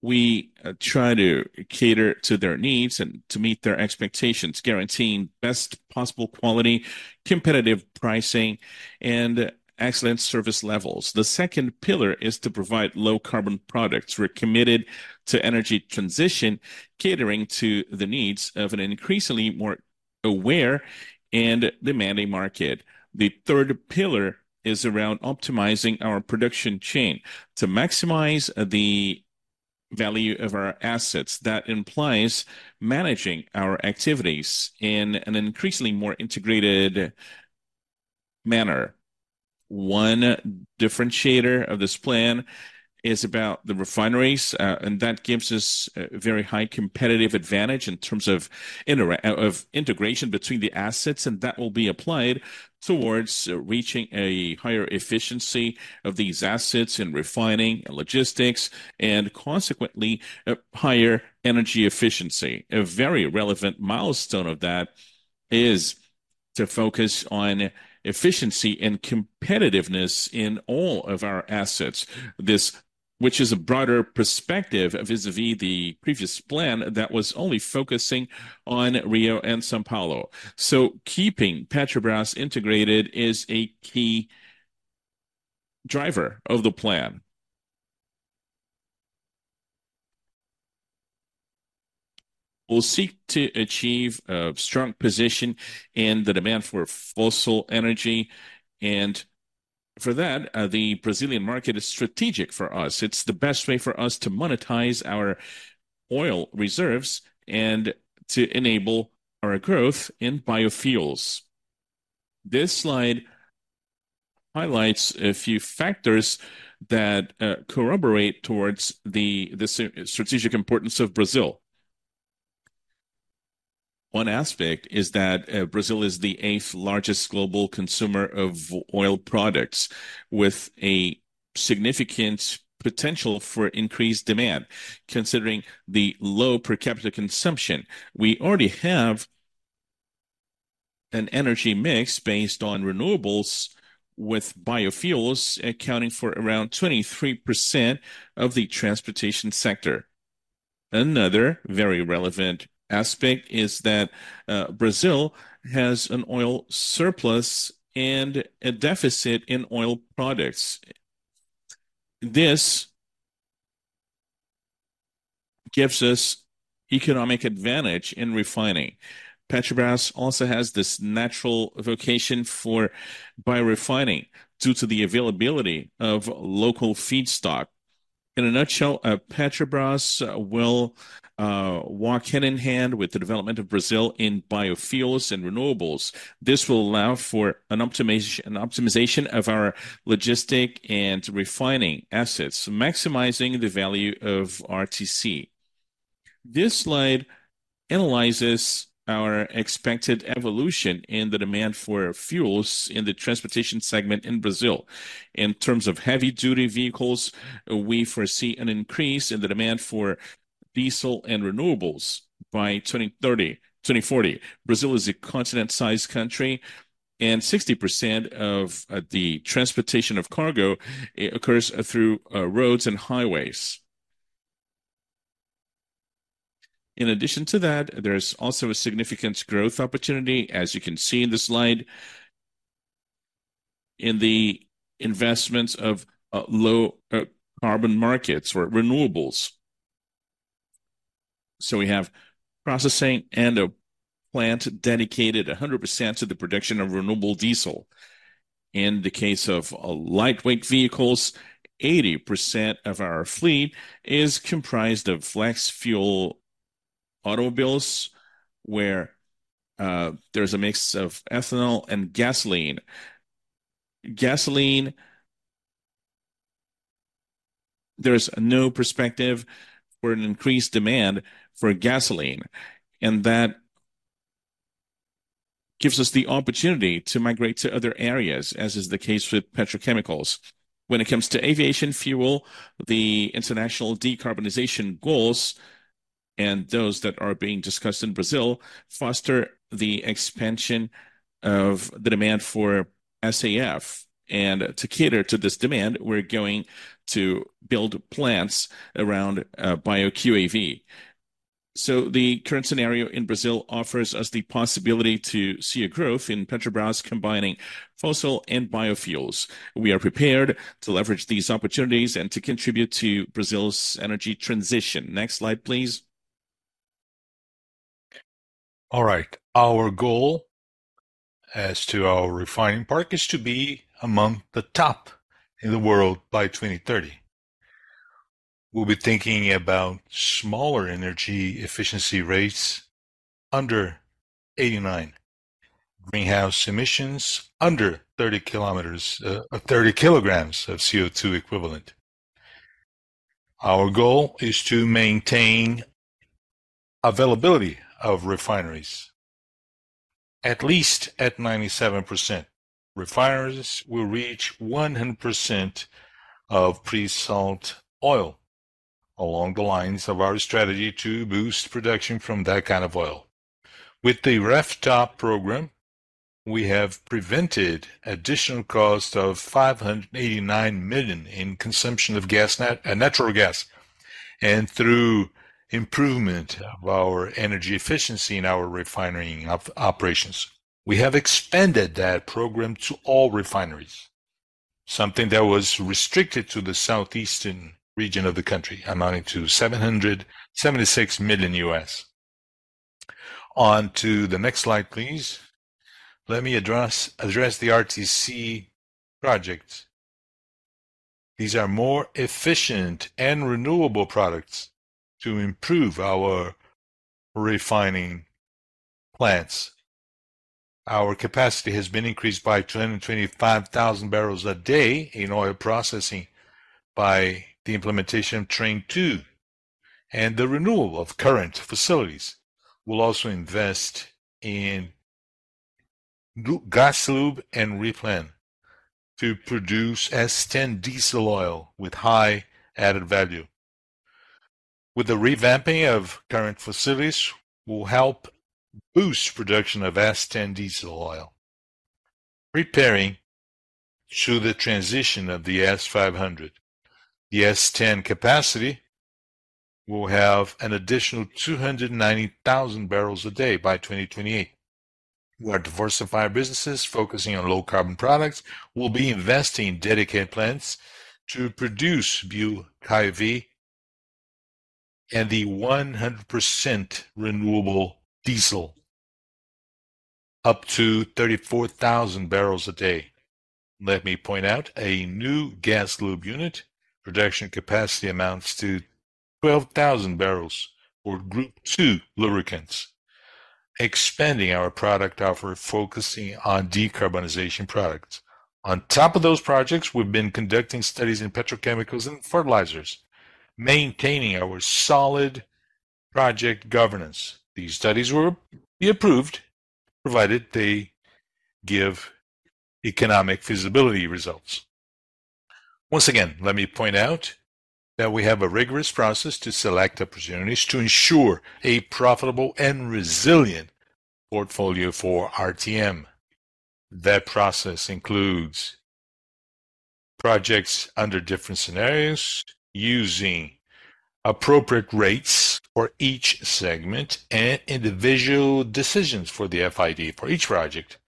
we try to cater to their needs and to meet their expectations, guaranteeing best possible quality, competitive pricing, and excellent service levels. The second pillar is to provide low-carbon products. We're committed to energy transition, catering to the needs of an increasingly more aware and demanding market. The third pillar is around optimizing our production chain. To maximize the value of our assets, that implies managing our activities in an increasingly more integrated manner. One differentiator of this plan is about the refineries, and that gives us a very high competitive advantage in terms of integration between the assets, and that will be applied towards reaching a higher efficiency of these assets in refining and logistics, and consequently, a higher energy efficiency. A very relevant milestone of that is to focus on efficiency and competitiveness in all of our assets. This, which is a broader perspective vis-à-vis the previous plan that was only focusing on Rio and São Paulo. So keeping Petrobras integrated is a key driver of the plan. We'll seek to achieve a strong position in the demand for fossil energy, and for that, the Brazilian market is strategic for us. It's the best way for us to monetize our oil reserves and to enable our growth in biofuels. This slide highlights a few factors that corroborate the strategic importance of Brazil. One aspect is that Brazil is the eighth-largest global consumer of oil products, with a significant potential for increased demand, considering the low per capita consumption. We already have an energy mix based on renewables, with biofuels accounting for around 23% of the transportation sector. Another very relevant aspect is that Brazil has an oil surplus and a deficit in oil products. This gives us economic advantage in refining. Petrobras also has this natural vocation for biorefining due to the availability of local feedstock. In a nutshell, Petrobras will walk hand in hand with the development of Brazil in biofuels and renewables. This will allow for an optimization of our logistics and refining assets, maximizing the value of RTM. This slide analyzes our expected evolution in the demand for fuels in the transportation segment in Brazil. In terms of heavy-duty vehicles, we foresee an increase in the demand for diesel and renewables by 2030, 2040. Brazil is a continent-sized country, and 60% of the transportation of cargo occurs through roads and highways. In addition to that, there's also a significant growth opportunity, as you can see in the slide, in the investments of low-carbon markets or renewables. So we have processing and a plant dedicated 100% to the production of renewable diesel. In the case of lightweight vehicles, 80% of our fleet is comprised of flex-fuel automobiles, where there's a mix of ethanol and gasoline. Gasoline, there's no perspective for an increased demand for gasoline, and that gives us the opportunity to migrate to other areas, as is the case with petrochemicals. When it comes to aviation fuel, the international decarbonization goals, and those that are being discussed in Brazil, foster the expansion of the demand for SAF. To cater to this demand, we're going to build plants around BioQAV. The current scenario in Brazil offers us the possibility to see a growth in Petrobras, combining fossil and biofuels. We are prepared to leverage these opportunities and to contribute to Brazil's energy transition. Next slide, please. All right. Our goal as to our refining part is to be among the top in the world by 2030. We'll be thinking about smaller energy efficiency rates under 89, greenhouse emissions under 30 kg of CO2 equivalent. Our goal is to maintain availability of refineries at least at 97%. Refineries will reach 100% of pre-salt oil, along the lines of our strategy to boost production from that kind of oil. With the RefTOP program, we have prevented additional cost of $589 million in consumption of natural gas, and through improvement of our energy efficiency in our refinery operations. We have expanded that program to all refineries, something that was restricted to the southeastern region of the country, amounting to $776 million. On to the next slide, please. Let me address the RTC projects. These are more efficient and renewable products to improve our refining plants. Our capacity has been increased by 225,000 barrels a day in oil processing by the implementation of Train Two, and the renewal of current facilities. We'll also invest in GasLub and Replan to produce S10 diesel oil with high added value. With the revamping of current facilities, will help boost production of S10 diesel oil, preparing to the transition of the S500. The S10 capacity will have an additional 290,000 barrels a day by 2028. We are diversifying our businesses, focusing on low-carbon products. We'll be investing in dedicated plants to produce BioQAV and the 100% renewable diesel, up to 34,000 barrels a day. Let me point out a new GasLub unit. Production capacity amounts to 12,000 barrels for Group II lubricants, expanding our product offer, focusing on decarbonization products. On top of those projects, we've been conducting studies in petrochemicals and fertilizers, maintaining our solid project governance. These studies will be approved, provided they give economic feasibility results. Once again, let me point out that we have a rigorous process to select opportunities to ensure a profitable and resilient portfolio for RTM. That process includes projects under different scenarios, using appropriate rates for each segment and individual decisions for the FID for each project,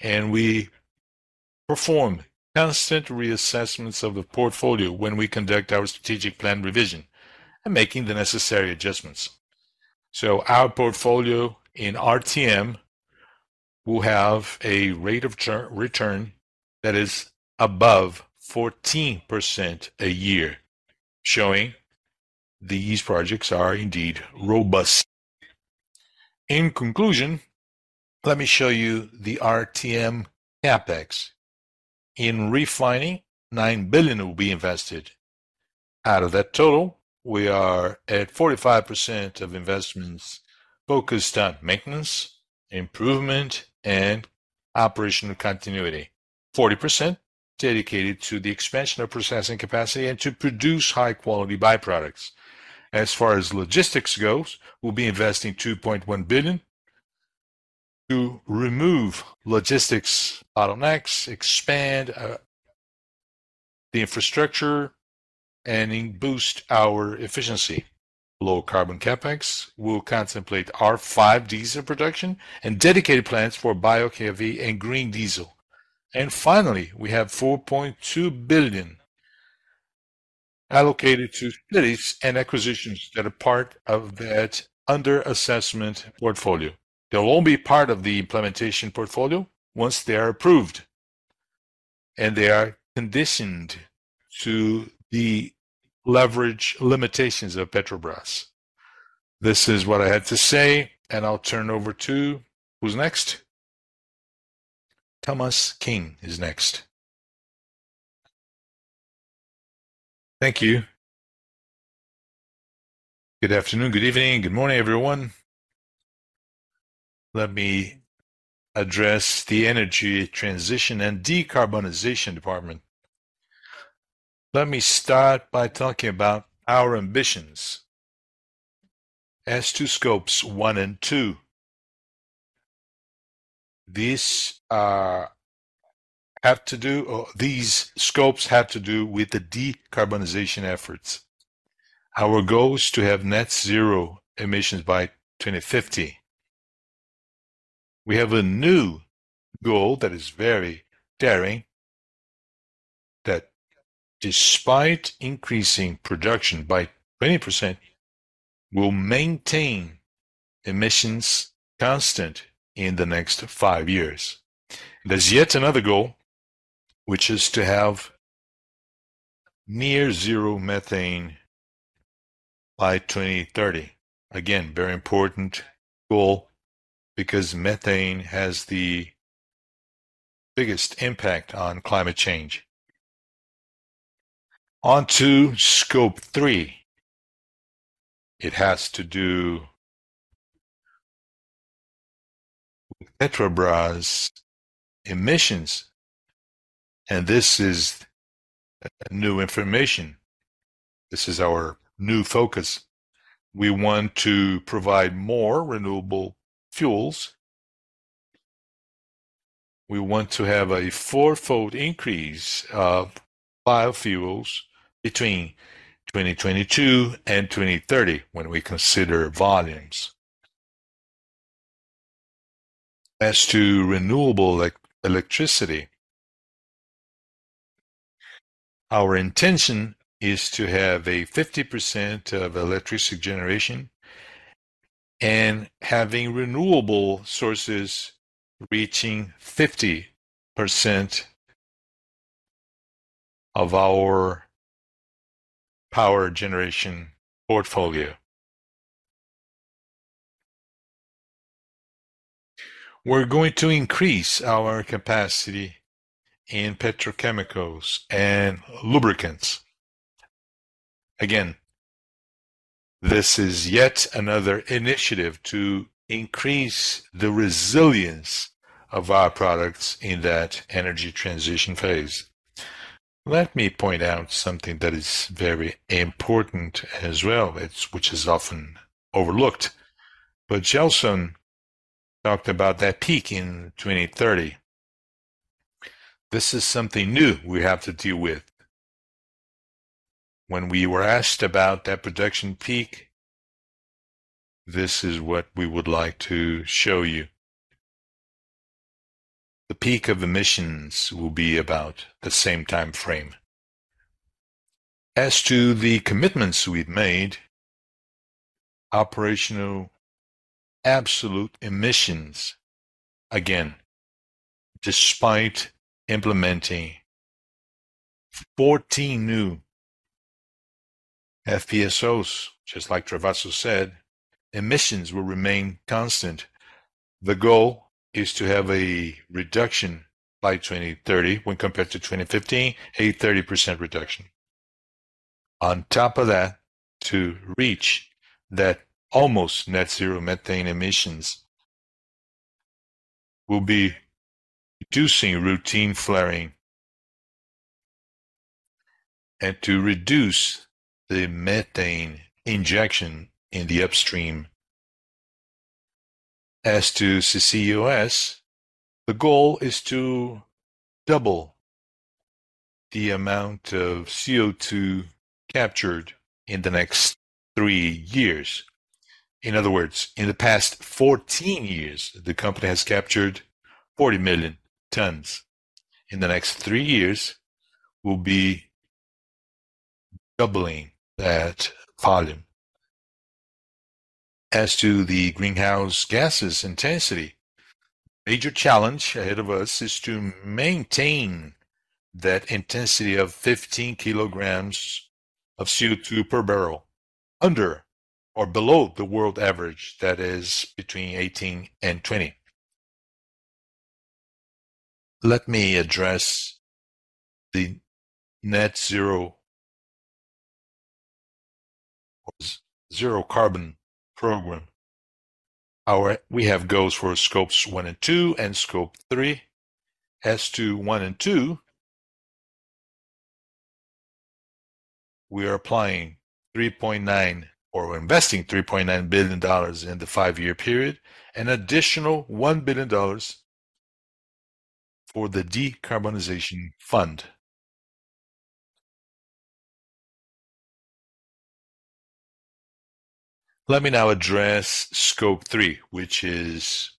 and we perform constant reassessments of the portfolio when we conduct our strategic plan revision and making the necessary adjustments. So our portfolio in RTM will have a rate of return, return that is above 14% a year, showing these projects are indeed robust. In conclusion, let me show you the RTM CapEx. In refining, $9 billion will be invested. Out of that total, we are at 45% of investments focused on maintenance, improvement, and operational continuity. 40% dedicated to the expansion of processing capacity and to produce high-quality by-products. As far as logistics goes, we'll be investing $2.1 billion to remove logistics bottlenecks, expand the infrastructure, and boost our efficiency. Low-carbon CapEx will contemplate our S10 diesel production and dedicated plants for BioQAV and green diesel. And finally, we have $4.2 billion allocated to M&A and acquisitions that are part of that under-assessment portfolio. They'll only be part of the implementation portfolio once they are approved, and they are conditioned to the leverage limitations of Petrobras. This is what I had to say, and I'll turn over to. Who's next? Tolmasquim is next. Thank you. Good afternoon, good evening, good morning, everyone. Let me address the Energy Transition and Decarbonization Department. Let me start by talking about our ambitions. As to Scope 1 and 2, these scopes have to do with the decarbonization efforts. Our goal is to have net zero emissions by 2050. We have a new goal that is very daring, that despite increasing production by 20%, will maintain emissions constant in the next five years. There's yet another goal, which is to have near zero methane by 2030. Again, very important goal because methane has the biggest impact on climate change. On to Scope 3. It has to do with Petrobras' emissions. And this is new information. This is our new focus. We want to provide more renewable fuels. We want to have a fourfold increase of biofuels between 2022 and 2030, when we consider volumes. As to renewable electricity, our intention is to have 50% of electricity generation, and having renewable sources reaching 50% of our power generation portfolio. We're going to increase our capacity in petrochemicals and lubricants. Again, this is yet another initiative to increase the resilience of our products in that energy transition phase. Let me point out something that is very important as well, which is often overlooked. But Joelson talked about that peak in 2030. This is something new we have to deal with. When we were asked about that production peak, this is what we would like to show you. The peak of emissions will be about the same time frame. As to the commitments we've made, operational absolute emissions, again, despite implementing 14 new FPSOs, just like Travassos said, emissions will remain constant. The goal is to have a reduction by 2030, when compared to 2015, a 30% reduction. On top of that, to reach that almost net zero methane emissions, we'll be reducing routine flaring and to reduce the methane injection in the upstream. As to CCUS, the goal is to double the amount of CO2 captured in the next three years. In other words, in the past 14 years, the company has captured 40 million tons. In the next 3 years, we'll be doubling that volume. As to the greenhouse gases intensity, major challenge ahead of us is to maintain that intensity of 15 kilograms of CO2 per barrel, under or below the world average, that is between 18 and 20. Let me address the net zero, zero carbon program. We have goals for Scope 1 and 2, and Scope 3. As to 1 and 2, we are applying 3.9, or investing $3.9 billion in the five-year period, an additional $1 billion for the decarbonization fund. Let me now address Scope 3, which is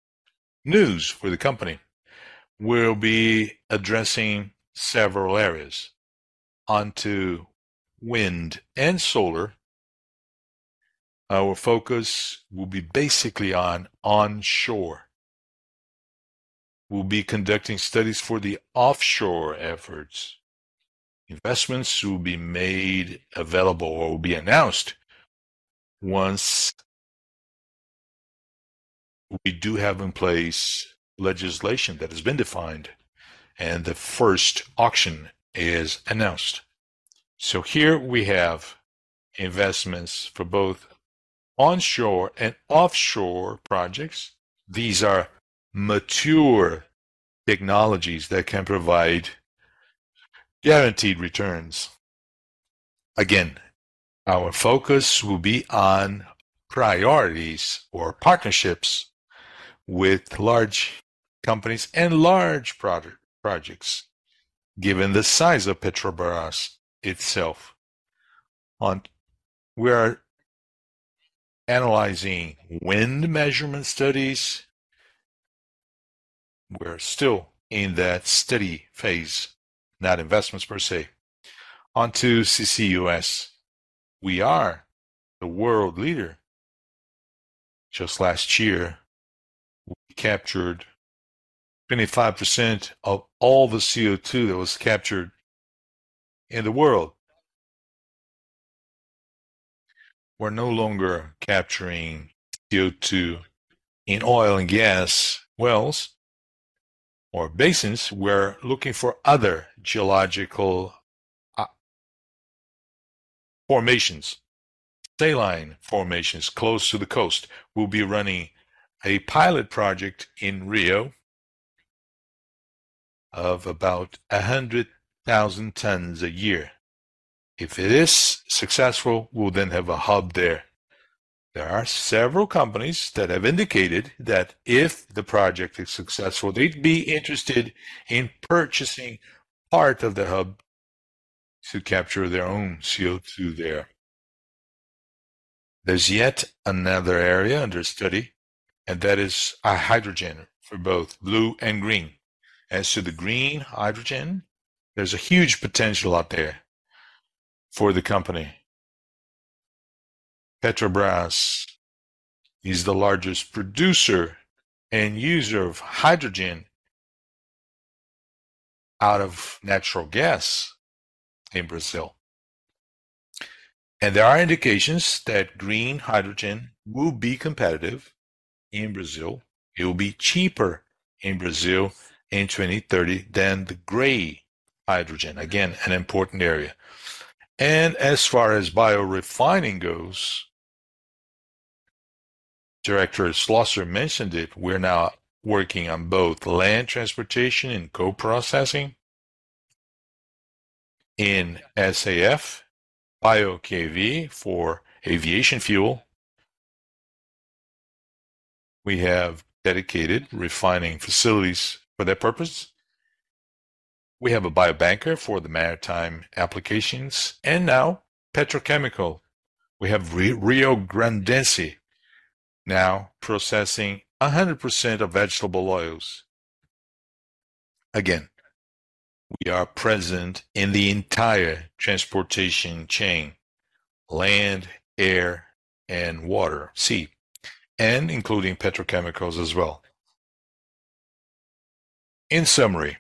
news for the company. We'll be addressing several areas. Onto wind and solar, our focus will be basically on onshore. We'll be conducting studies for the offshore efforts. Investments will be made available or will be announced once we do have in place legislation that has been defined, and the first auction is announced. So here we have investments for both onshore and offshore projects. These are mature technologies that can provide guaranteed returns. Again, our focus will be on priorities or partnerships with large companies and large projects, given the size of Petrobras itself. On wind, we are analyzing wind measurement studies. We're still in that study phase, not investments per se. Onto CCUS, we are the world leader. Just last year, we captured 25% of all the CO2 that was captured in the world. We're no longer capturing CO2 in oil and gas wells or basins, we're looking for other geological formations, saline formations close to the coast. We'll be running a pilot project in Rio of about 100,000 tons a year. If it is successful, we'll then have a hub there. There are several companies that have indicated that if the project is successful, they'd be interested in purchasing part of the hub to capture their own CO2 there. There's yet another area under study, and that is, hydrogen for both blue and green. As to the green hydrogen, there's a huge potential out there for the company. Petrobras is the largest producer and user of hydrogen out of natural gas in Brazil, and there are indications that green hydrogen will be competitive in Brazil. It will be cheaper in Brazil in 2030 than the gray hydrogen. Again, an important area. And as far as biorefining goes, Director Schlosser mentioned it, we're now working on both land transportation and co-processing. In SAF, BioQAV for aviation fuel, we have dedicated refining facilities for that purpose. We have a biobunker for the maritime applications, and now petrochemical. We have Riograndense now processing 100% of vegetable oils. Again, we are present in the entire transportation chain: land, air, and water, sea, and including petrochemicals as well. In summary,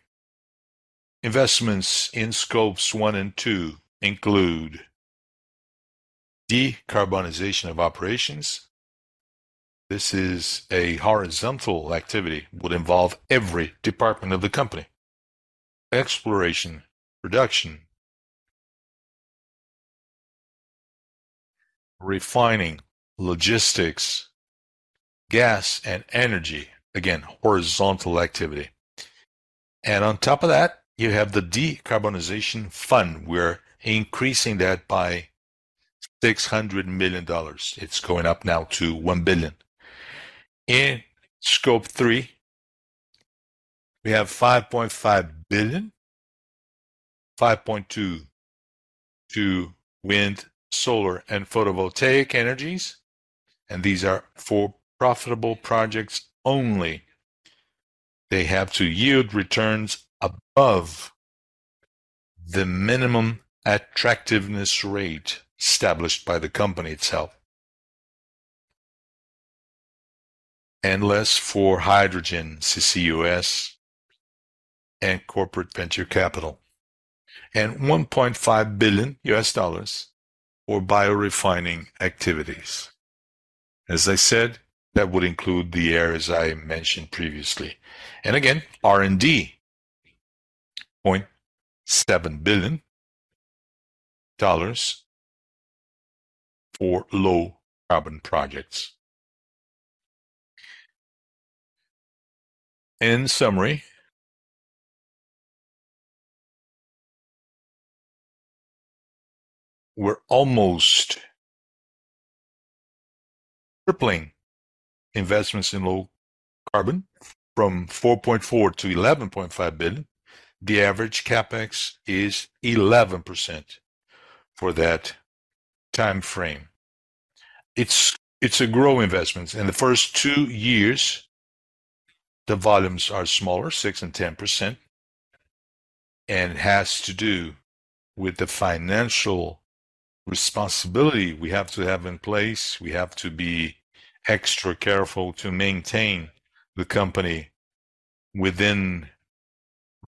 investments in Scope 1 and 2 include decarbonization of operations. This is a horizontal activity, would involve every department of the company. Exploration, production, refining, logistics, gas and energy. Again, horizontal activity. And on top of that, you have the decarbonization fund. We're increasing that by $600 million. It's going up now to $1 billion. In Scope 3, we have $5.5 billion, $5.2 billion to wind, solar, and photovoltaic energies, and these are for profitable projects only. They have to yield returns above the minimum attractiveness rate established by the company itself. And less for hydrogen, CCUS, and corporate venture capital. And $1.5 billion for biorefining activities. As I said, that would include the areas I mentioned previously, and again, R&D, $0.7 billion for low-carbon projects. In summary, we're almost tripling investments in low carbon from $4.4 billion to $11.5 billion. The average CapEx is 11% for that timeframe. It's a grow investments. In the first two years, the volumes are smaller, 6% and 10%, and it has to do with the financial responsibility we have to have in place. We have to be extra careful to maintain the company within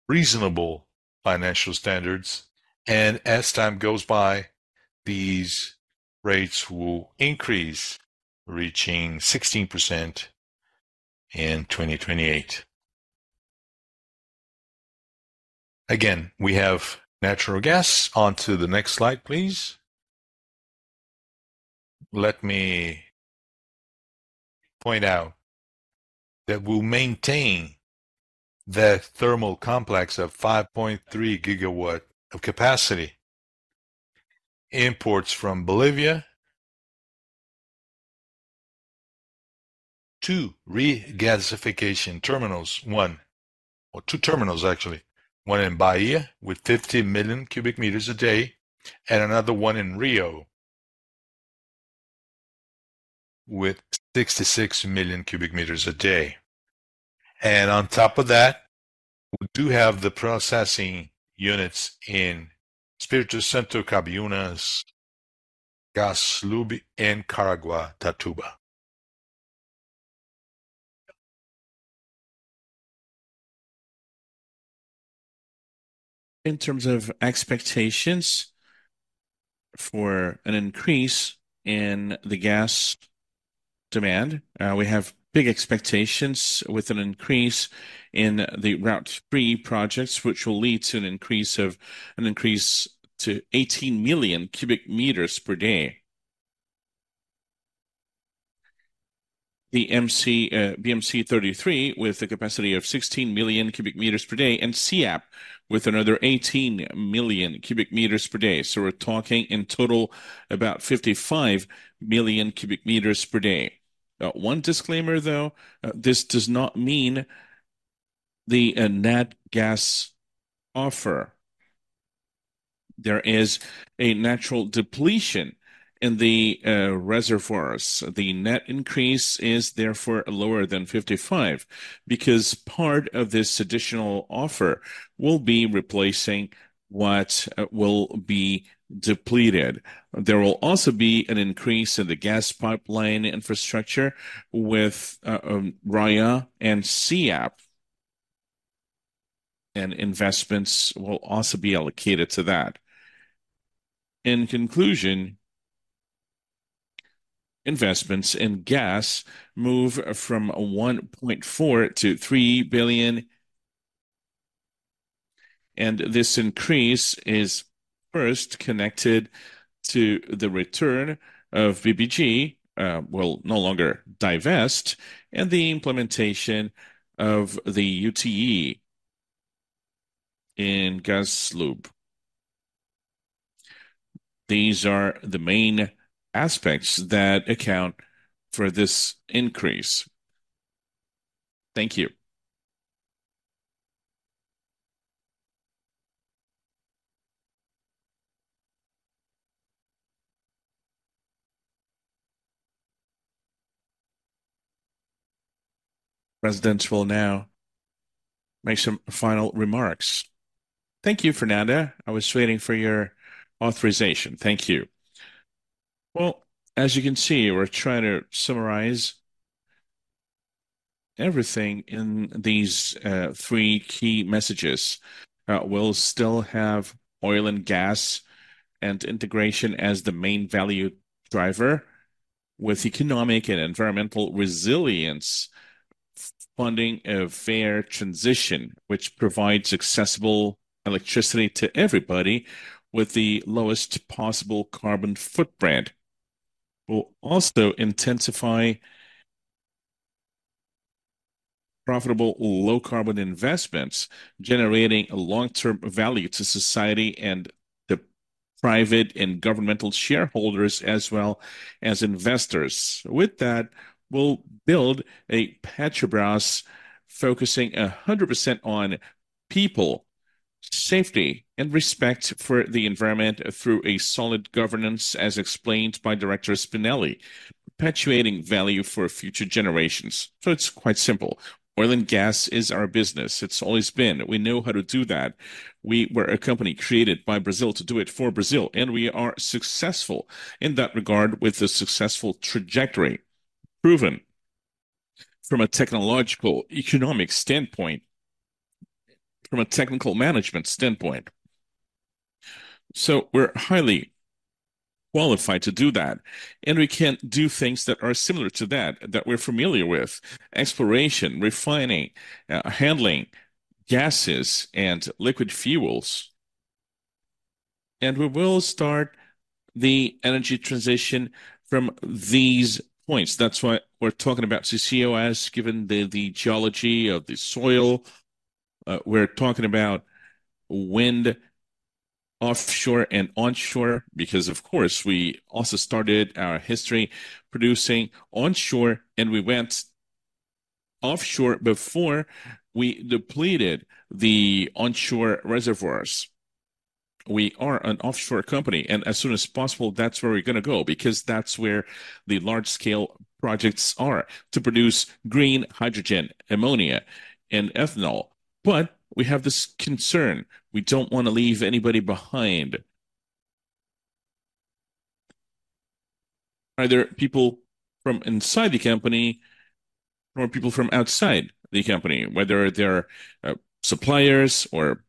reasonable financial standards, and as time goes by, these rates will increase, reaching 16% in 2028. Again, we have natural gas. On to the next slide, please. Let me point out that we'll maintain that thermal complex of 5.3 gigawatt of capacity. Imports from Bolivia, two regasification terminals, one or two terminals, actually. One in Bahia, with 50 million cubic meters a day, and another one in Rio, with 66 million cubic meters a day. On top of that, we do have the processing units in Espírito Santo, Cabiúnas, GasLub, and Caraguatatuba. In terms of expectations for an increase in the gas demand. We have big expectations with an increase in the Route 3 projects, which will lead to an increase to 18 million cubic meters per day. The BMC-33, with a capacity of 16 million cubic meters per day, and SEAP, with another 18 million cubic meters per day. So we're talking in total, about 55 million cubic meters per day. One disclaimer, though, this does not mean the net gas offer. There is a natural depletion in the reservoirs. The net increase is therefore lower than 55, because part of this additional offer will be replacing what will be depleted. There will also be an increase in the gas pipeline infrastructure with Raia and SEAP, and investments will also be allocated to that. In conclusion, investments in gas move from $1.4 billion-$3 billion, and this increase is first connected to the return of TBG, will no longer divest, and the implementation of the UTE in GasLub. These are the main aspects that account for this increase. Thank you. Presidents will now make some final remarks. Thank you, Fernando. I was waiting for your authorization. Thank you. Well, as you can see, we're trying to summarize everything in these three key messages. We'll still have oil and gas, and integration as the main value driver, with economic and environmental resilience, funding a fair transition, which provides accessible electricity to everybody with the lowest possible carbon footprint. We'll also intensify profitable low-carbon investments, generating a long-term value to society and the private and governmental shareholders, as well as investors. With that, we'll build a Petrobras, focusing 100% on people, safety, and respect for the environment through a solid governance, as explained by Director Spinelli, perpetuating value for future generations. So it's quite simple. Oil and gas is our business. It's always been. We know how to do that. We were a company created by Brazil to do it for Brazil, and we are successful in that regard, with a successful trajectory, proven from a technological, economic standpoint, from a technical management standpoint. So we're highly qualified to do that, and we can do things that are similar to that, that we're familiar with: exploration, refining, handling gases and liquid fuels, and we will start the energy transition from these points. That's why we're talking about CCUS, given the, the geology of the soil. We're talking about wind, offshore and onshore, because, of course, we also started our history producing onshore, and we went offshore before we depleted the onshore reservoirs. We are an offshore company, and as soon as possible, that's where we're gonna go, because that's where the large-scale projects are to produce green hydrogen, ammonia, and ethanol. But we have this concern. We don't wanna leave anybody behind. Are there people from inside the company or people from outside the company? Whether they're suppliers or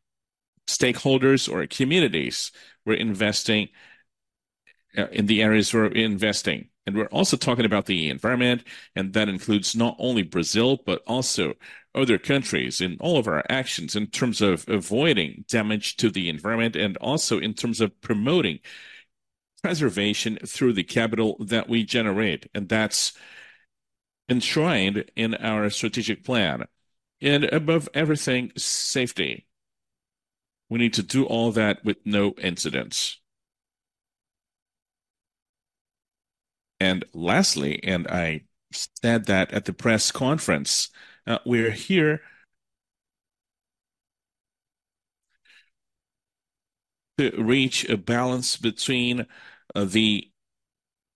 stakeholders or communities, we're investing in the areas we're investing. And we're also talking about the environment, and that includes not only Brazil, but also other countries in all of our actions, in terms of avoiding damage to the environment, and also in terms of promoting preservation through the capital that we generate, and that's enshrined in our strategic plan. And above everything, safety. We need to do all that with no incidents. And lastly, and I said that at the press conference, we're here to reach a balance between the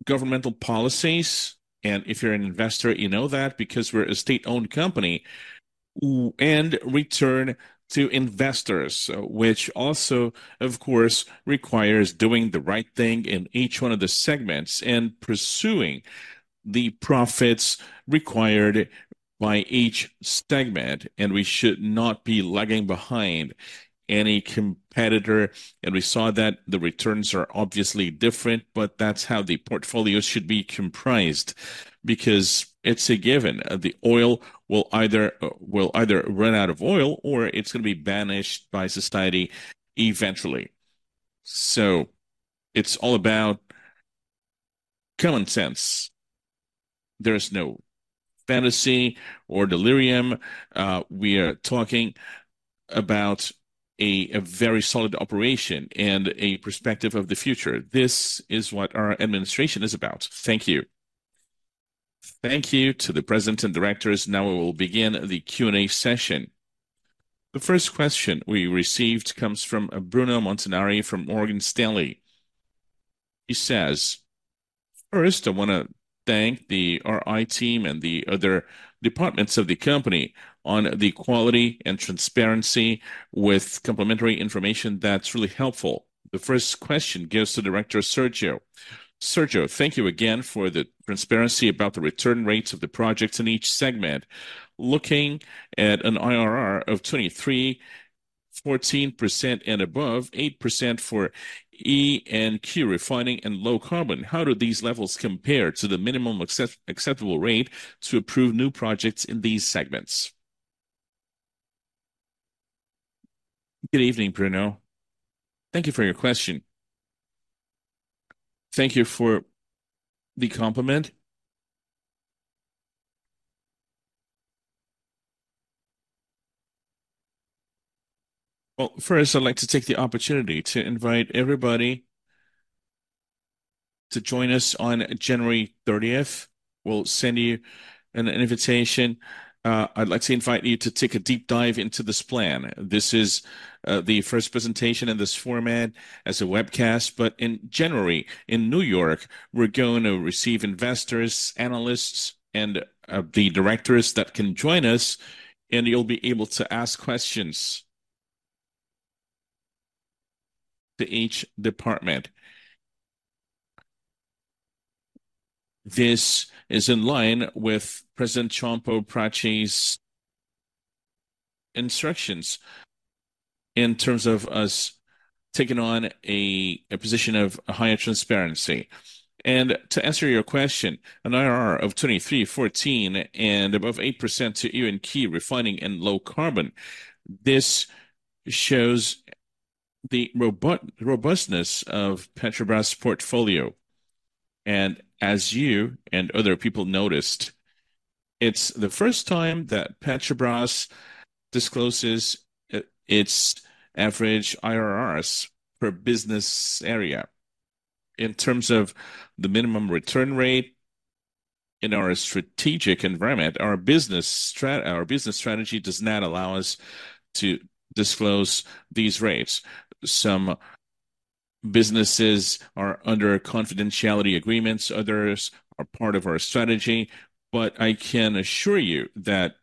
governmental policies, and if you're an investor, you know that because we're a state-owned company, and return to investors, which also, of course, requires doing the right thing in each one of the segments and pursuing the profits required by each segment, and we should not be lagging behind any competitor. And we saw that the returns are obviously different, but that's how the portfolio should be comprised, because it's a given. The oil will either, will either run out of oil, or it's gonna be banished by society eventually. So it's all about common sense. There's no fantasy or delirium. We are talking about a very solid operation and a perspective of the future. This is what our administration is about. Thank you. Thank you to the president and directors. Now we will begin the Q&A session. The first question we received comes from Bruno Montanari from Morgan Stanley. He says, "First, I wanna thank the IR team and the other departments of the company on the quality and transparency with complimentary information that's really helpful." The first question goes to Director Sérgio. Sérgio, thank you again for the transparency about the return rates of the projects in each segment. Looking at an IRR of 23%, 14% and above 8% for E&P, refining and low carbon, how do these levels compare to the minimum acceptable rate to approve new projects in these segments? Good evening, Bruno. Thank you for your question. Thank you for the compliment. Well, first, I'd like to take the opportunity to invite everybody to join us on January 30th. We'll send you an invitation. I'd like to invite you to take a deep dive into this plan. This is the first presentation in this format as a webcast, but in January, in New York, we're going to receive investors, analysts, and the directors that can join us, and you'll be able to ask questions to each department. This is in line with President Jean Paul Prates' instructions in terms of us taking on a position of higher transparency. And to answer your question, an IRR of 23%, 14%, and above 8% to E&P refining and low carbon, this shows the robustness of Petrobras' portfolio. As you and other people noticed, it's the first time that Petrobras discloses its average IRRs per business area. In terms of the minimum return rate in our strategic environment, our business strategy does not allow us to disclose these rates. Some businesses are under confidentiality agreements, others are part of our strategy. But I can assure you that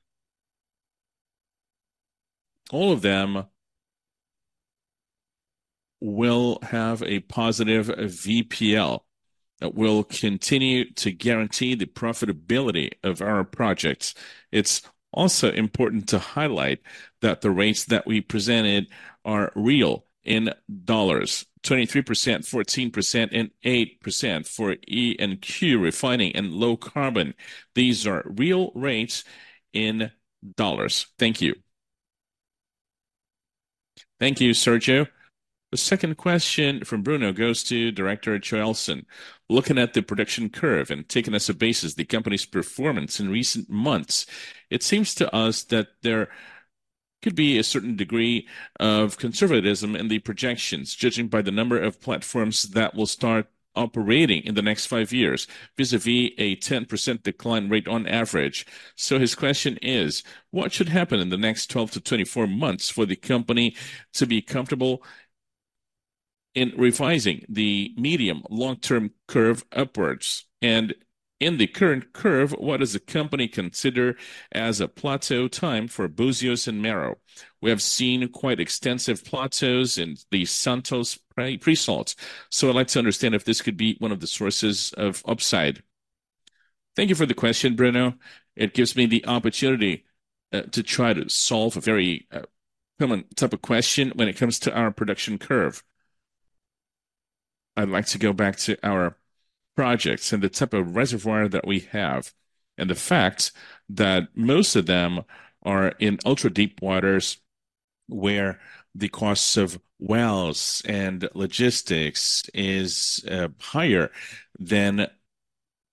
all of them will have a positive VPL that will continue to guarantee the profitability of our projects. It's also important to highlight that the rates that we presented are real in dollars, 23%, 14%, and 8% for E&P, refining and low carbon. These are real rates in dollars. Thank you. Thank you, Sergio. The second question from Bruno goes to Director Joelson. Looking at the production curve and taking as a basis the company's performance in recent months, it seems to us that there could be a certain degree of conservatism in the projections, judging by the number of platforms that will start operating in the next five years, vis-à-vis a 10% decline rate on average. So his question is: What should happen in the next 12-24 months for the company to be comfortable in revising the medium long-term curve upwards? And in the current curve, what does the company consider as a plateau time for Búzios and Mero? We have seen quite extensive plateaus in the Santos pre-salts, so I'd like to understand if this could be one of the sources of upside. Thank you for the question, Bruno. It gives me the opportunity to try to solve a very common type of question when it comes to our production curve. I'd like to go back to our projects and the type of reservoir that we have, and the fact that most of them are in ultra-deep waters, where the costs of wells and logistics is higher than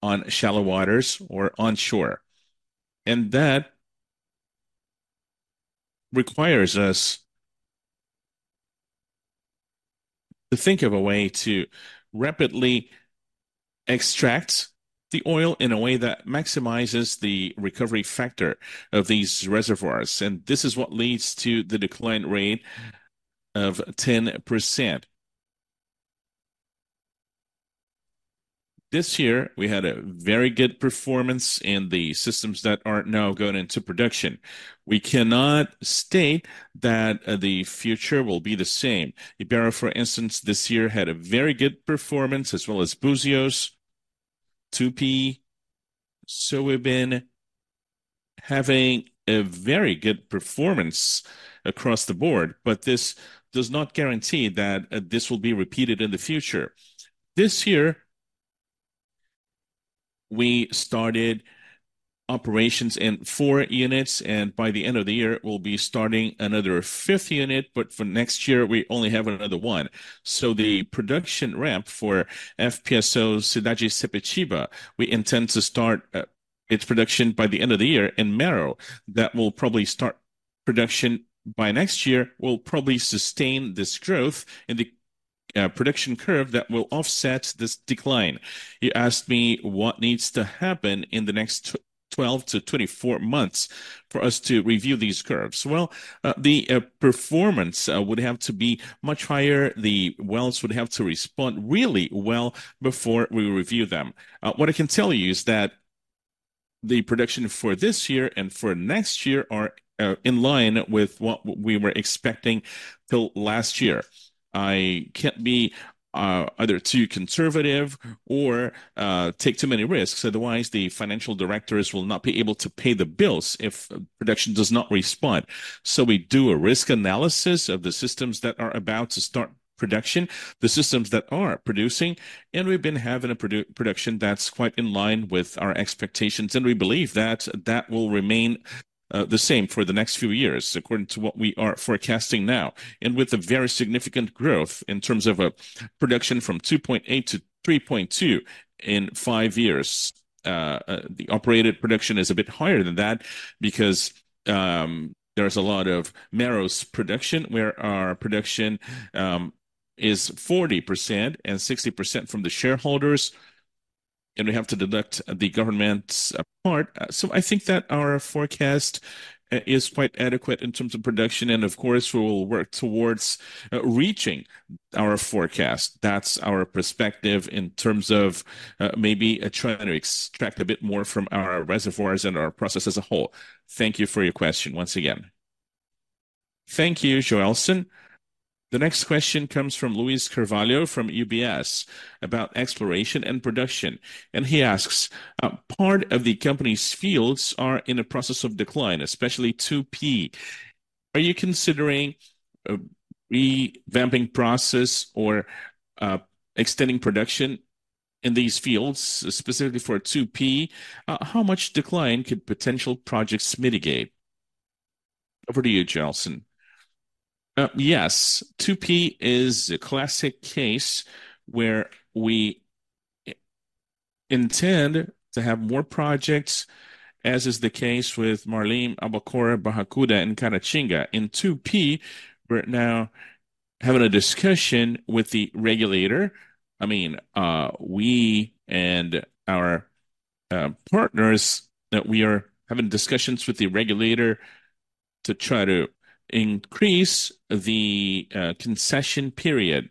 on shallow waters or onshore. And that requires us to think of a way to rapidly extract the oil in a way that maximizes the recovery factor of these reservoirs, and this is what leads to the decline rate of 10%. This year, we had a very good performance in the systems that are now going into production. We cannot state that the future will be the same. Iara, for instance, this year had a very good performance, as well as Búzios, Tupi, Sapinhoá. Having a very good performance across the board, but this does not guarantee that this will be repeated in the future. This year, we started operations in 4 units, and by the end of the year, we'll be starting another fifth unit, but for next year, we only have another one. So the production ramp for FPSO Sepetiba, we intend to start its production by the end of the year, and Mero, that will probably start production by next year, will probably sustain this growth in the production curve that will offset this decline. You asked me what needs to happen in the next 12-24 months for us to review these curves. Well, the performance would have to be much higher. The wells would have to respond really well before we review them. What I can tell you is that the production for this year and for next year are in line with what we were expecting till last year. I can't be either too conservative or take too many risks, otherwise the financial directors will not be able to pay the bills if production does not respond. So we do a risk analysis of the systems that are about to start production, the systems that are producing, and we've been having a production that's quite in line with our expectations, and we believe that that will remain the same for the next few years, according to what we are forecasting now, and with a very significant growth in terms of production from 2.8 to 3.2 in five years. The operated production is a bit higher than that because there's a lot of Mero's production, where our production is 40%, and 60% from the shareholders, and we have to deduct the government's part. So I think that our forecast is quite adequate in terms of production, and of course, we will work towards reaching our forecast. That's our perspective in terms of maybe trying to extract a bit more from our reservoirs and our process as a whole. Thank you for your question once again. Thank you, Joelson. The next question comes from Luis Carvalho from UBS about exploration and production, and he asks: Part of the company's fields are in a process of decline, especially 2P. Are you considering a revamping process or extending production in these fields, specifically for 2P? How much decline could potential projects mitigate? Over to you, Joelson. Yes, 2P is a classic case where we intend to have more projects, as is the case with Marlin, Albacora, Barracuda, and Caratinga. In 2P, we're now having a discussion with the regulator. I mean, we and our partners, that we are having discussions with the regulator to try to increase the concession period.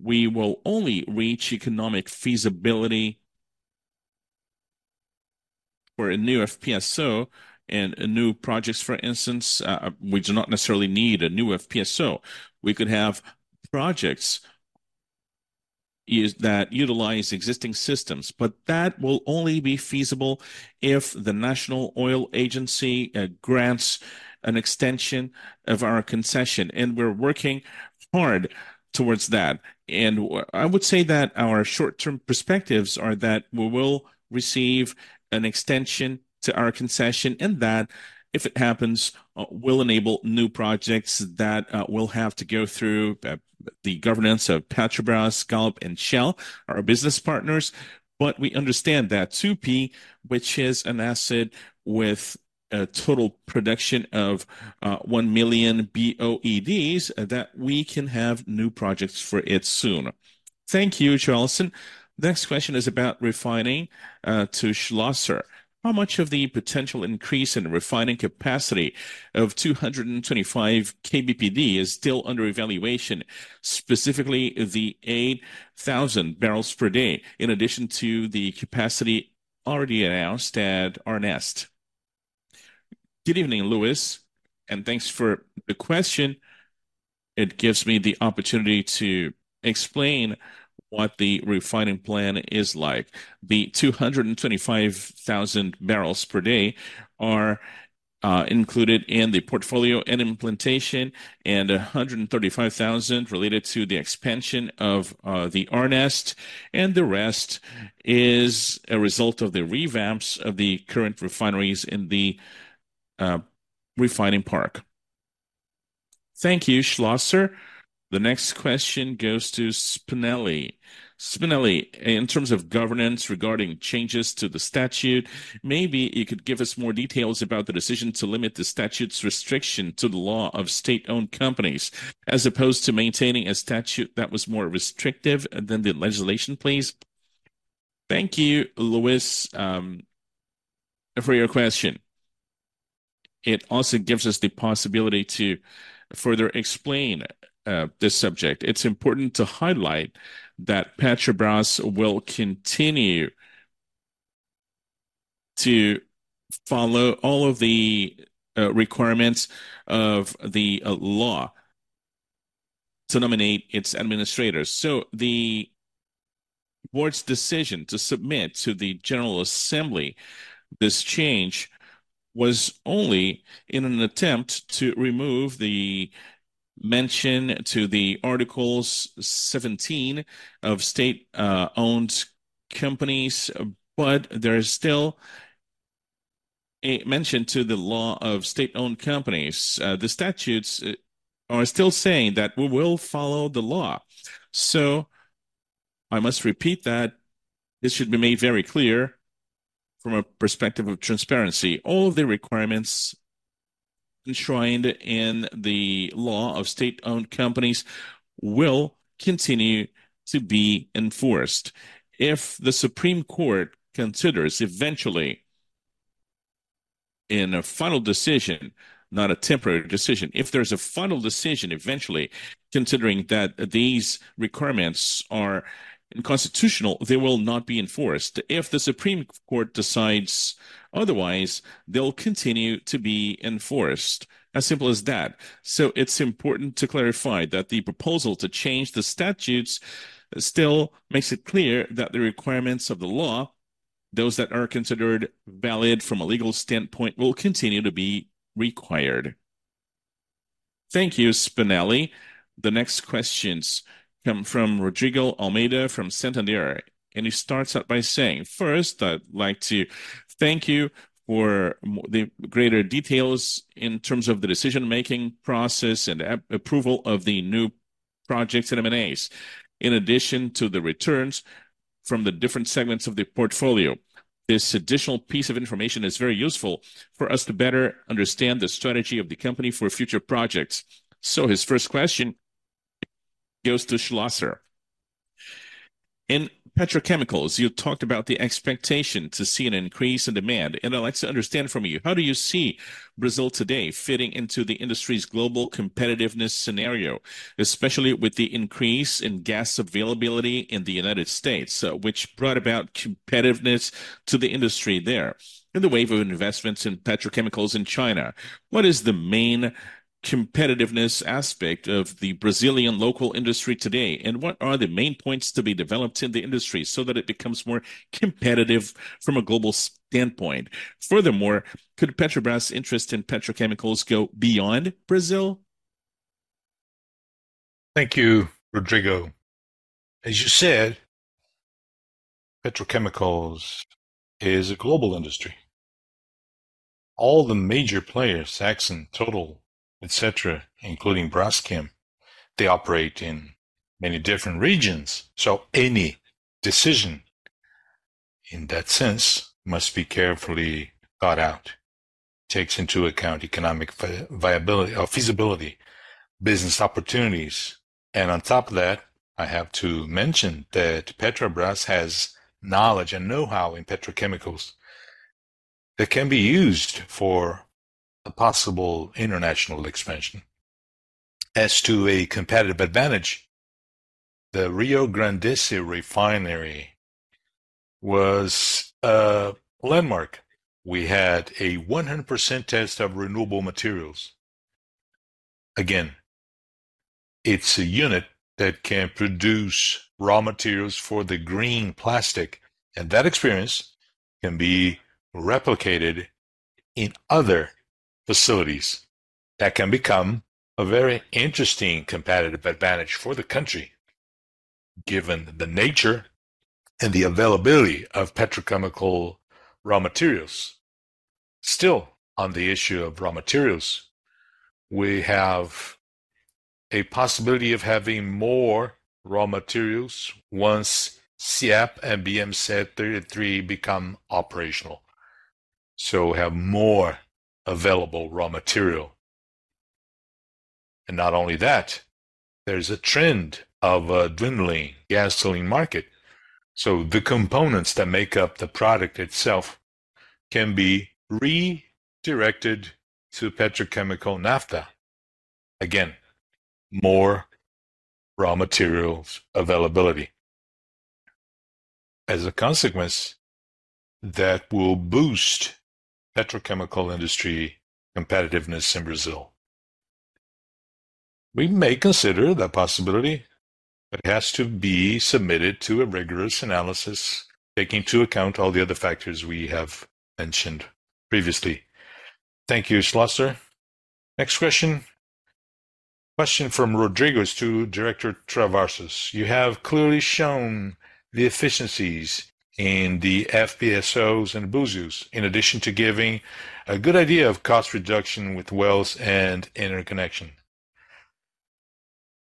We will only reach economic feasibility for a new FPSO and new projects, for instance, we do not necessarily need a new FPSO. We could have projects that utilize existing systems, but that will only be feasible if the National Oil Agency grants an extension of our concession, and we're working hard towards that. I would say that our short-term perspectives are that we will receive an extension to our concession, and that if it happens, will enable new projects that will have to go through the governance of Petrobras, Shell, and our business partners. But we understand that 2P, which is an asset with a total production of 1 million BOED, that we can have new projects for it soon. Thank you, Joelson. Next question is about refining to Schlosser. How much of the potential increase in refining capacity of 225 KBPD is still under evaluation, specifically the 8,000 barrels per day, in addition to the capacity already announced at RNEST? Good evening, Luis, and thanks for the question. It gives me the opportunity to explain what the refining plan is like. The 225,000 barrels per day are included in the portfolio and implementation, and 135,000 related to the expansion of the RNEST, and the rest is a result of the revamps of the current refineries in the refining park. Thank you, Schlosser. The next question goes to Spinelli. Spinelli, in terms of governance regarding changes to the statute, maybe you could give us more details about the decision to limit the statute's restriction to the law of state-owned companies, as opposed to maintaining a statute that was more restrictive than the legislation, please. Thank you, Luis, for your question. It also gives us the possibility to further explain this subject. It's important to highlight that Petrobras will continue to follow all of the requirements of the law to nominate its administrators. So the board's decision to submit to the General Assembly this change was only in an attempt to remove the mention to the Article 17 of state-owned companies, but there is still a mention to the law of state-owned companies. The statutes are still saying that we will follow the law. So I must repeat that this should be made very clear from a perspective of transparency. All of the requirements enshrined in the law of state-owned companies will continue to be enforced. If the Supreme Court considers eventually, in a final decision, not a temporary decision, if there's a final decision eventually, considering that these requirements are unconstitutional, they will not be enforced. If the Supreme Court decides otherwise, they'll continue to be enforced, as simple as that. So it's important to clarify that the proposal to change the statutes still makes it clear that the requirements of the law, those that are considered valid from a legal standpoint, will continue to be required. Thank you, Spinelli. The next questions come from Rodrigo Almeida, from Santander, and he starts out by saying: "First, I'd like to thank you for the greater details in terms of the decision-making process and approval of the new project M&As, in addition to the returns from the different segments of the portfolio. This additional piece of information is very useful for us to better understand the strategy of the company for future projects." So his first question goes to Schlosser. In petrochemicals, you talked about the expectation to see an increase in demand, and I'd like to understand from you, how do you see Brazil today fitting into the industry's global competitiveness scenario, especially with the increase in gas availability in the United States, which brought about competitiveness to the industry there, and the wave of investments in petrochemicals in China? What is the main competitiveness aspect of the Brazilian local industry today, and what are the main points to be developed in the industry so that it becomes more competitive from a global standpoint? Furthermore, could Petrobras' interest in petrochemicals go beyond Brazil? Thank you, Rodrigo. As you said, petrochemicals is a global industry. All the major players, Exxon, Total, et cetera, including Braskem, they operate in many different regions, so any decision in that sense must be carefully thought out, takes into account economic feasibility, business opportunities. And on top of that, I have to mention that Petrobras has knowledge and know-how in petrochemicals that can be used for a possible international expansion. As to a competitive advantage, the Riograndense Refinery was a landmark. We had a 100% test of renewable materials. Again, it's a unit that can produce raw materials for the green plastic, and that experience can be replicated in other facilities. That can become a very interesting competitive advantage for the country, given the nature and the availability of petrochemical raw materials. Still, on the issue of raw materials, we have a possibility of having more raw materials once SEAP and BMC-33 become operational, so we have more available raw material. And not only that, there's a trend of a dwindling gasoline market, so the components that make up the product itself can be redirected to petrochemical naphtha. Again, more raw materials availability. As a consequence, that will boost petrochemical industry competitiveness in Brazil. We may consider the possibility, but it has to be submitted to a rigorous analysis, taking into account all the other factors we have mentioned previously. Thank you, Schlosser. Next question. Question from Rodrigo to Director Travassos: You have clearly shown the efficiencies in the FPSOs and Búzios, in addition to giving a good idea of cost reduction with wells and interconnection.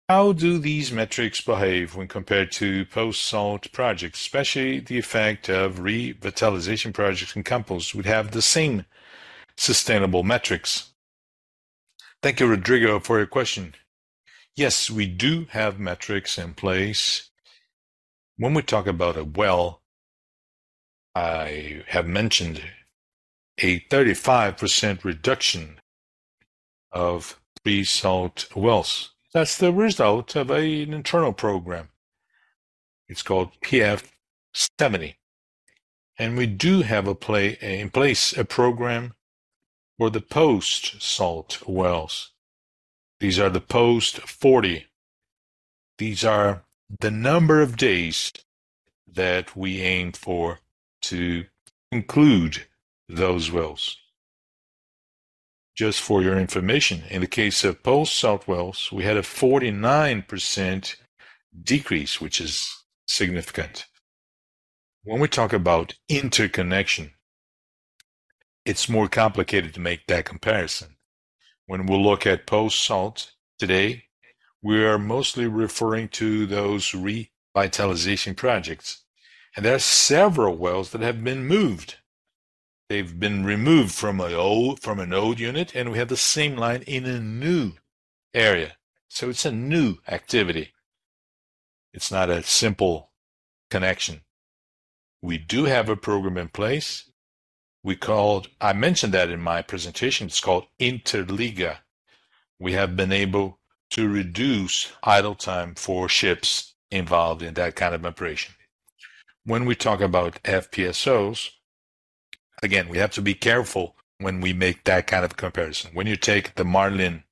How do these metrics behave when compared to Post-salt projects, especially, the effect of revitalization projects in Campos would have the same sustainable metrics? Thank you, Rodrigo, for your question. Yes, we do have metrics in place. When we talk about a well, I have mentioned a 35% reduction of pre-salt wells. That's the result of an internal program. It's called PEP-70. And we do have a plan in place, a program for the post-salt wells. These are the PEP-40. These are the number of days that we aim for to include those wells. Just for your information, in the case of post-salt wells, we had a 49% decrease, which is significant. When we talk about interconnection, it's more complicated to make that comparison. When we look at post-salt today, we are mostly referring to those revitalization projects, and there are several wells that have been moved. They've been removed from an old unit, and we have the same line in a new area, so it's a new activity. It's not a simple connection. We do have a program in place. We called—I mentioned that in my presentation, it's called Interliga. We have been able to reduce idle time for ships involved in that kind of operation. When we talk about FPSOs, again, we have to be careful when we make that kind of comparison. When you take the Marlin,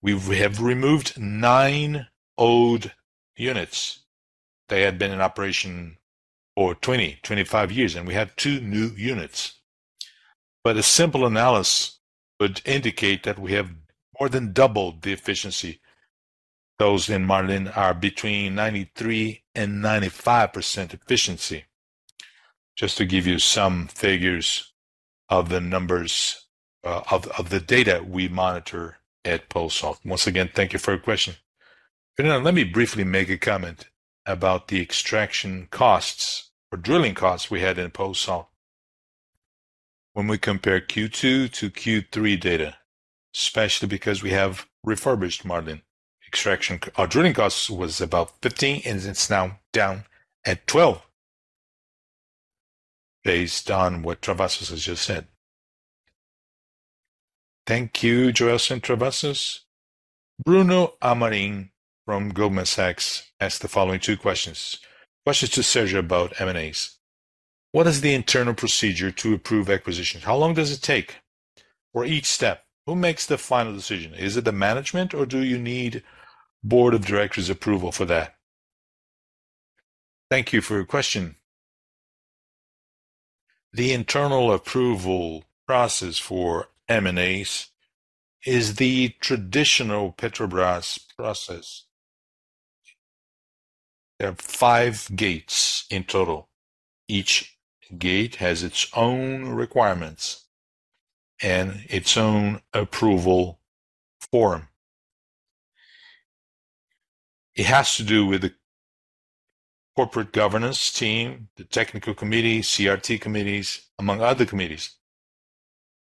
we have removed 9 old units. They had been in operation for 20, 25 years, and we have 2 new units. But a simple analysis would indicate that we have more than doubled the efficiency. Those in Marlin are between 93%-95% efficiency. Just to give you some figures of the numbers, of the data we monitor at Post-salt. Once again, thank you for your question. Now, let me briefly make a comment about the extraction costs or drilling costs we had in Post-salt. When we compare Q2 to Q3 data, especially because we have refurbished Marlin, extraction or drilling costs was about $15, and it's now down at $12, based on what Travassos has just said. Thank you, Carlos Travassos. Bruno Amorim from Goldman Sachs asked the following two questions. Questions to Sergio about M&As: What is the internal procedure to approve acquisitions? How long does it take for each step? Who makes the final decision? Is it the management, or do you need board of directors' approval for that? Thank you for your question. The internal approval process for M&As is the traditional Petrobras process. There are five gates in total. Each gate has its own requirements and its own approval form. It has to do with the corporate governance team, the technical committee, CRT committees, among other committees,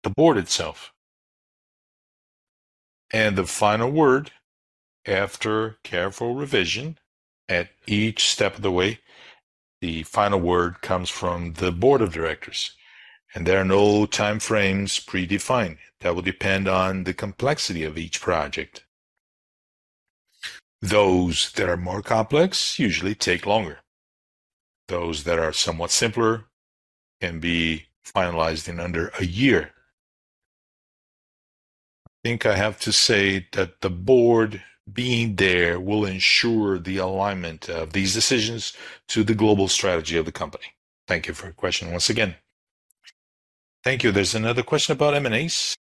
the board itself. The final word, after careful revision at each step of the way, the final word comes from the board of directors, and there are no timeframes predefined. That will depend on the complexity of each project. Those that are more complex usually take longer. Those that are somewhat simpler can be finalized in under a year. I think I have to say that the board being there will ensure the alignment of these decisions to the global strategy of the company. Thank you for your question once again. Thank you. There's another question about M&As.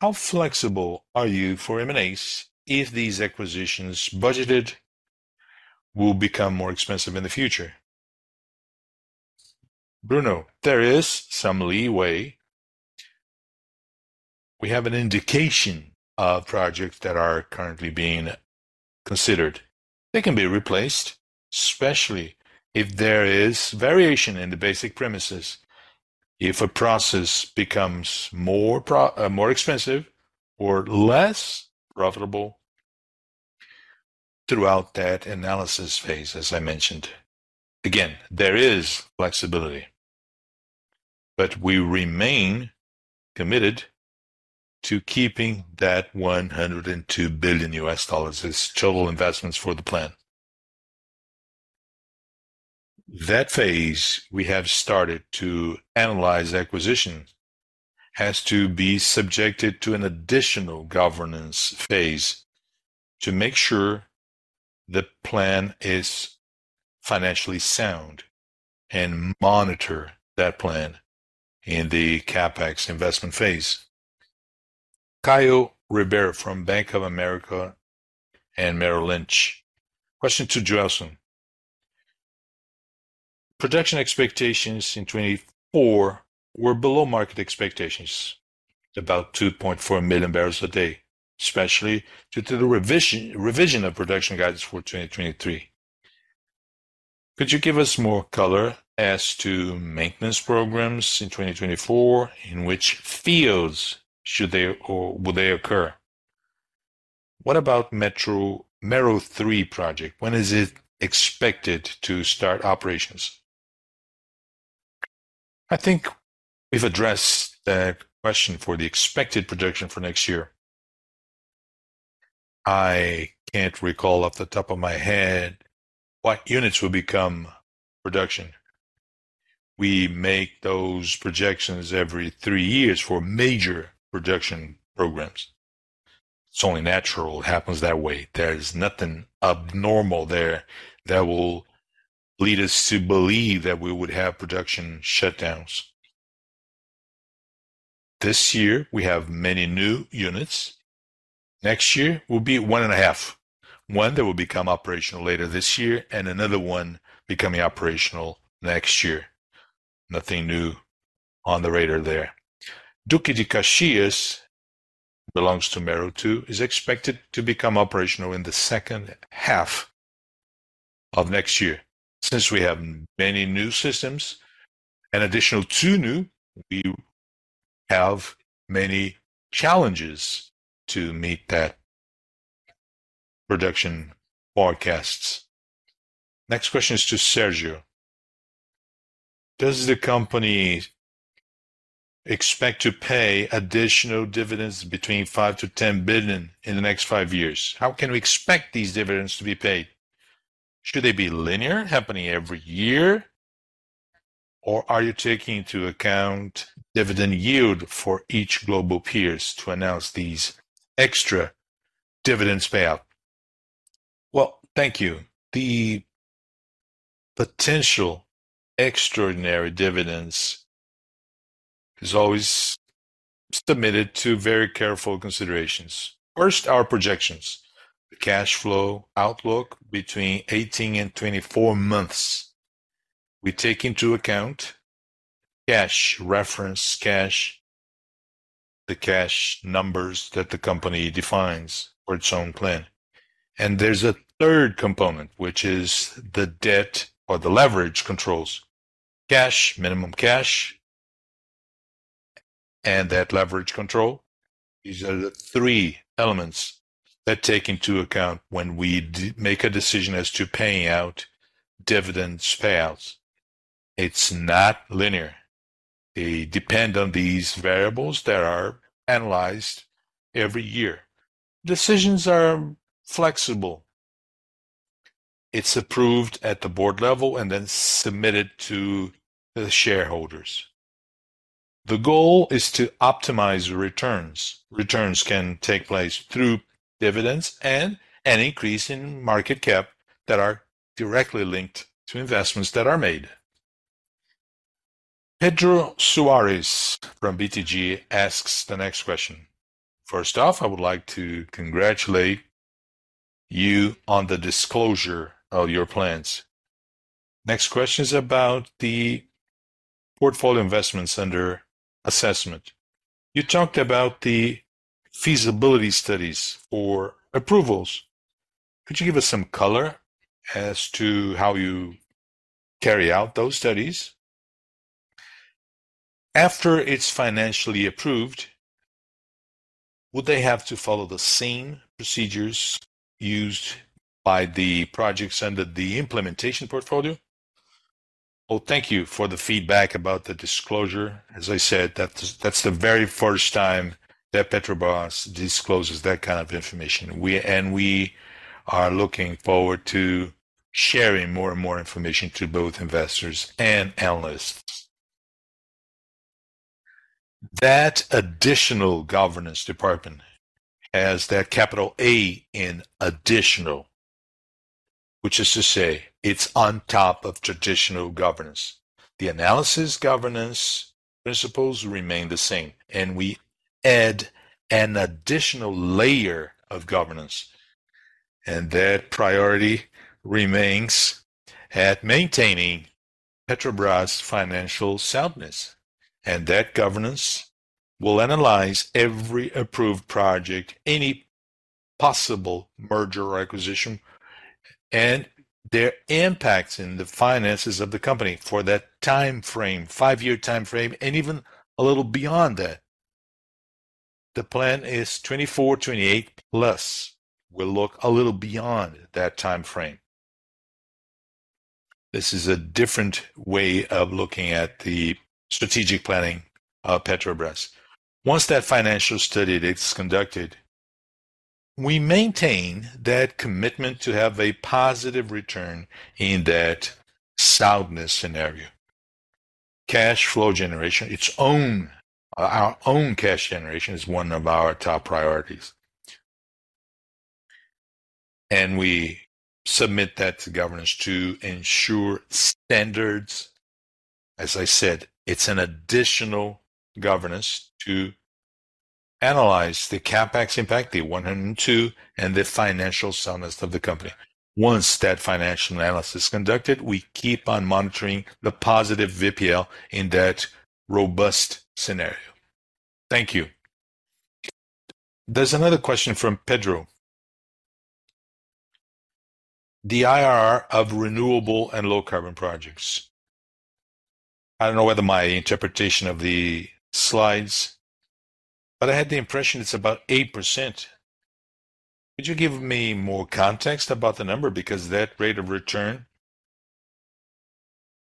How flexible are you for M&As if these acquisitions budgeted will become more expensive in the future? Bruno, there is some leeway. We have an indication of projects that are currently being considered. They can be replaced, especially if there is variation in the basic premises. If a process becomes more expensive or less profitable throughout that analysis phase, as I mentioned, again, there is flexibility, but we remain committed to keeping that $102 billion as total investments for the plan. That phase, we have started to analyze acquisitions, has to be subjected to an additional governance phase to make sure the plan is financially sound and monitor that plan in the CapEx investment phase. Caio Ribeiro from Bank of America Merrill Lynch. Question to Joelson Falcão Mendes: Production expectations in 2024 were below market expectations, about 2.4 million barrels a day, especially due to the revision of production guidance for 2023. Could you give us more color as to maintenance programs in 2024? In which fields should they or will they occur? What about the Mero 3 project? When is it expected to start operations? I think we've addressed the question for the expected projection for next year. I can't recall off the top of my head what units will become production. We make those projections every three years for major projection programs. It's only natural it happens that way. There is nothing abnormal there that will lead us to believe that we would have production shutdowns. This year, we have many new units. Next year will be one and a half, one that will become operational later this year, and another one becoming operational next year. Nothing new on the radar there. Duque de Caxias, belongs to Mero 2, is expected to become operational in the second half of next year. Since we have many new systems, an additional two new, we have many challenges to meet that production forecasts. Next question is to Sérgio: Does the company expect to pay additional dividends between $5 billion-$10 billion in the next five years? How can we expect these dividends to be paid? Should they be linear, happening every year, or are you taking into account dividend yield for each global peers to announce these extra dividends payout? Well, thank you. The potential extraordinary dividends is always submitted to very careful considerations. First, our projections, the cash flow outlook between 18-24 months. We take into account cash, reference cash, the cash numbers that the company defines for its own plan. There's a third component, which is the debt or the leverage controls. Cash, minimum cash, and that leverage control. These are the three elements that take into account when we make a decision as to paying out dividends payouts. It's not linear. They depend on these variables that are analyzed every year. Decisions are flexible. It's approved at the board level and then submitted to the shareholders. The goal is to optimize returns. Returns can take place through dividends and an increase in market cap that are directly linked to investments that are made. Pedro Soares from BTG asks the next question: First off, I would like to congratulate you on the disclosure of your plans. Next question is about the portfolio investments under assessment. You talked about the feasibility studies for approvals. Could you give us some color as to how you carry out those studies? After it's financially approved, would they have to follow the same procedures used by the projects under the implementation portfolio? Well, thank you for the feedback about the disclosure. As I said, that's, that's the very first time that Petrobras discloses that kind of information. And we are looking forward to sharing more and more information to both investors and analysts. That Additional Governance Department has that capital A in additional, which is to say, it's on top of traditional governance. The analysis governance principles remain the same, and we add an additional layer of governance, and that priority remains at maintaining Petrobras' financial soundness. And that governance will analyze every approved project, any possible merger or acquisition, and their impacts in the finances of the company for that timeframe, five-year timeframe, and even a little beyond that. The plan is 2024, 2028, plus we'll look a little beyond that timeframe. This is a different way of looking at the strategic planning of Petrobras. Once that financial study is conducted, we maintain that commitment to have a positive return in that soundness scenario. Cash flow generation, its own, our own cash generation is one of our top priorities. We submit that to governance to ensure standards. As I said, it's an additional governance to analyze the CapEx impact, the $102, and the financial soundness of the company. Once that financial analysis is conducted, we keep on monitoring the positive VPL in that robust scenario. Thank you. There's another question from Pedro. The IRR of renewable and low carbon projects. I don't know whether my interpretation of the slides, but I had the impression it's about 8%. Could you give me more context about the number? Because that rate of return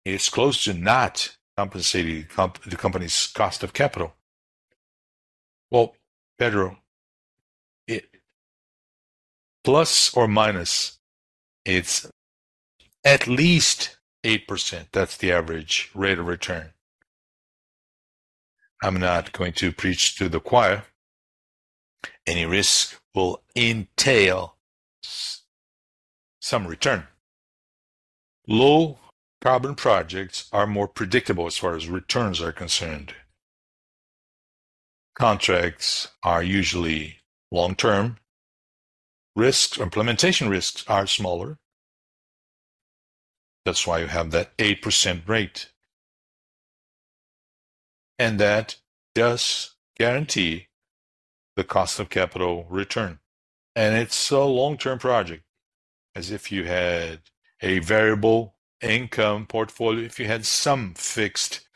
is close to not compensating the company's cost of capital. Well, Pedro, plus or minus, it's at least 8%. That's the average rate of return. I'm not going to preach to the choir. Any risk will entail some return. Low carbon projects are more predictable as far as returns are concerned. Contracts are usually long-term. Risks, implementation risks are smaller. That's why you have that 8% rate, and that does guarantee the cost of capital return. And it's a long-term project, as if you had a variable income portfolio, if you had some fixed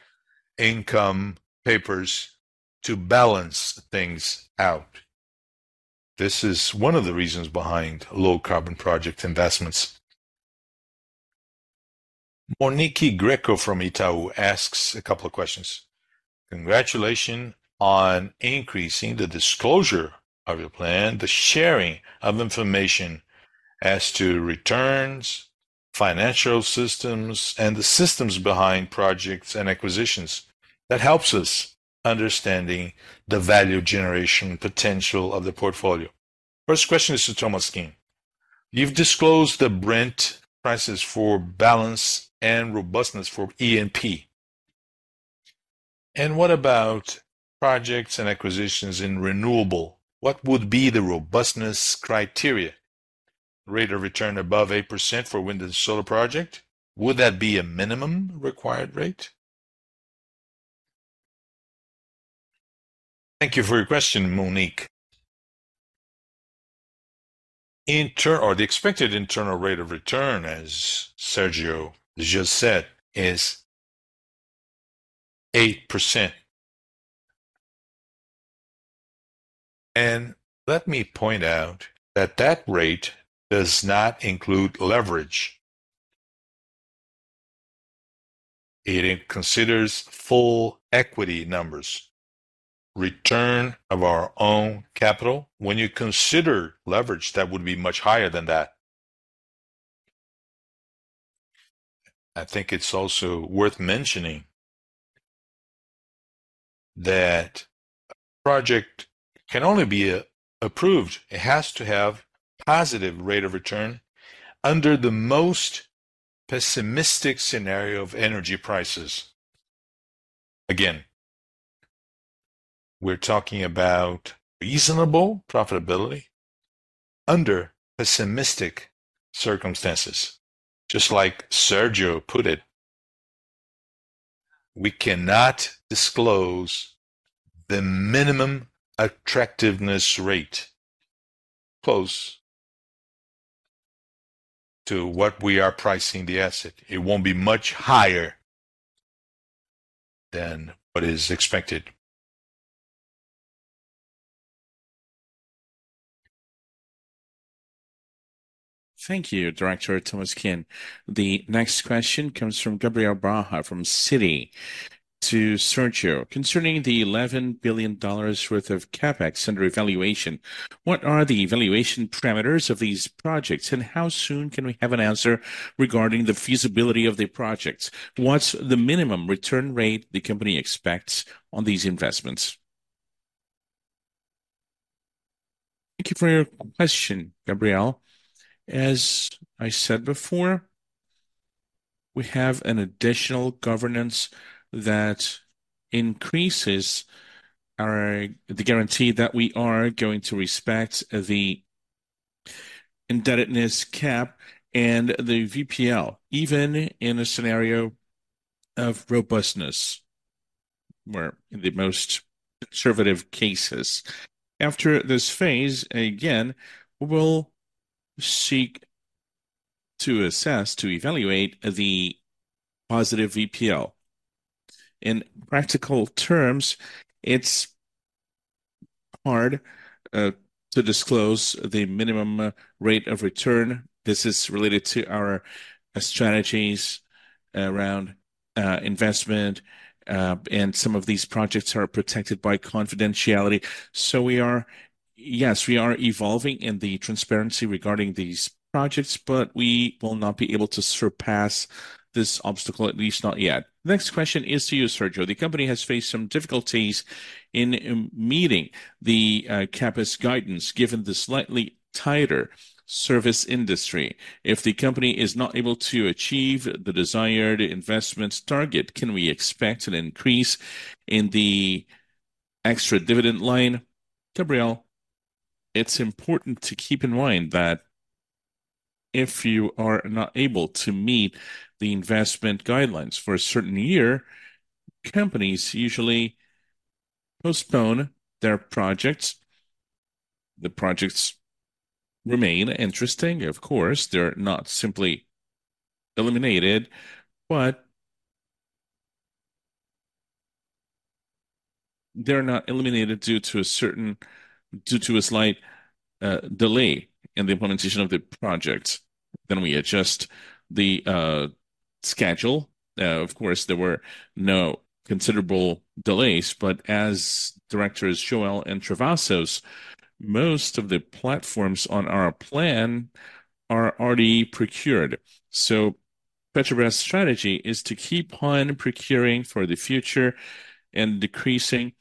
income papers to balance things out. This is one of the reasons behind low carbon project investments. Monique Greco from Itaú asks a couple of questions: Congratulations on increasing the disclosure of your plan, the sharing of information as to returns, financial systems, and the systems behind projects and acquisitions. That helps us understanding the value generation potential of the portfolio. First question is to Maurício Tolmasquim. You've disclosed the Brent prices for balance and robustness for E&P. And what about projects and acquisitions in renewable? What would be the robustness criteria? Rate of return above 8% for wind and solar project, would that be a minimum required rate? Thank you for your question, Monique. Or the expected internal rate of return, as Sérgio just said, is 8%. And let me point out that that rate does not include leverage. It considers full equity numbers, return of our own capital. When you consider leverage, that would be much higher than that. I think it's also worth mentioning that a project can only be approved. It has to have positive rate of return under the most pessimistic scenario of energy prices. Again, we're talking about reasonable profitability under pessimistic circumstances. Just like Sérgio put it, we cannot disclose the minimum attractiveness rate close to what we are pricing the asset. It won't be much higher than what is expected. Thank you, Director Tolmasquim. The next question comes from Gabriel Barra from Citi to Sérgio: Concerning the $11 billion worth of CapEx under evaluation, what are the evaluation parameters of these projects, and how soon can we have an answer regarding the feasibility of the projects? What's the minimum return rate the company expects on these investments? Thank you for your question, Gabriel. As I said before, we have an additional governance that increases our guarantee that we are going to respect the indebtedness cap and the VPL, even in a scenario of robustness, where in the most conservative cases. After this phase, again, we'll seek to assess, to evaluate the positive VPL. In practical terms, it's hard to disclose the minimum rate of return. This is related to our strategies around investment and some of these projects are protected by confidentiality. So we are. Yes, we are evolving in the transparency regarding these projects, but we will not be able to surpass this obstacle, at least not yet. Next question is to you, Sérgio. The company has faced some difficulties in meeting the CapEx guidance, given the slightly tighter service industry. If the company is not able to achieve the desired investments target, can we expect an increase in the extra dividend line? Gabriel, it's important to keep in mind that if you are not able to meet the investment guidelines for a certain year, companies usually postpone their projects. The projects remain interesting, of course, they're not simply eliminated, but they're not eliminated due to a slight delay in the implementation of the project. Then we adjust the schedule. Of course, there were no considerable delays, but as Directors Joelson and Travassos, most of the platforms on our plan are already procured. So Petrobras' strategy is to keep on procuring for the future and decreasing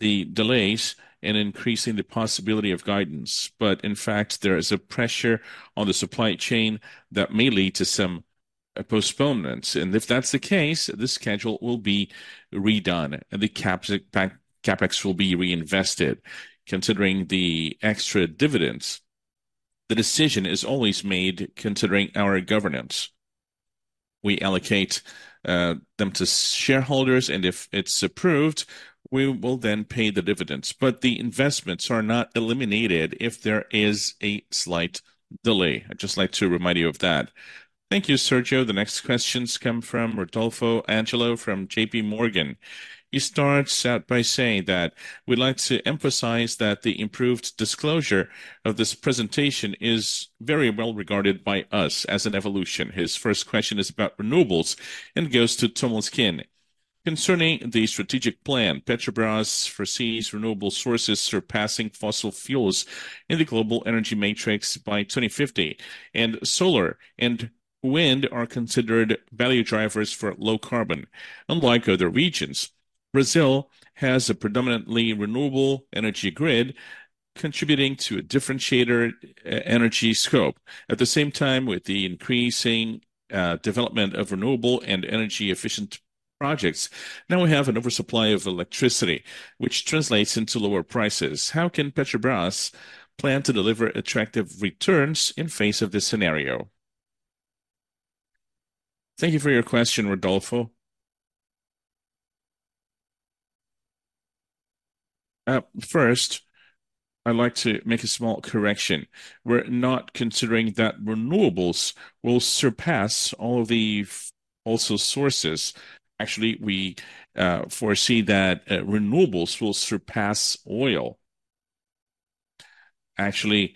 the delays and increasing the possibility of guidance. But in fact, there is a pressure on the supply chain that may lead to some postponements, and if that's the case, the schedule will be redone, and the CapEx will be reinvested. Considering the extra dividends, the decision is always made considering our governance. We allocate them to shareholders, and if it's approved, we will then pay the dividends. But the investments are not eliminated if there is a slight delay. I'd just like to remind you of that. Thank you, Sergio. The next questions come from Rodolfo Angelo, from JP Morgan. He starts out by saying that, "We'd like to emphasize that the improved disclosure of this presentation is very well regarded by us as an evolution." His first question is about renewables and goes to Tolmasquim. Concerning the strategic plan, Petrobras foresees renewable sources surpassing fossil fuels in the global energy matrix by 2050, and solar and wind are considered value drivers for low carbon. Unlike other regions, Brazil has a predominantly renewable energy grid, contributing to a differentiator, energy scope. At the same time, with the increasing development of renewable and energy-efficient projects, now we have an oversupply of electricity, which translates into lower prices. How can Petrobras plan to deliver attractive returns in face of this scenario? Thank you for your question, Rodolfo. First, I'd like to make a small correction. We're not considering that renewables will surpass all the other sources. Actually, we foresee that renewables will surpass oil. Actually,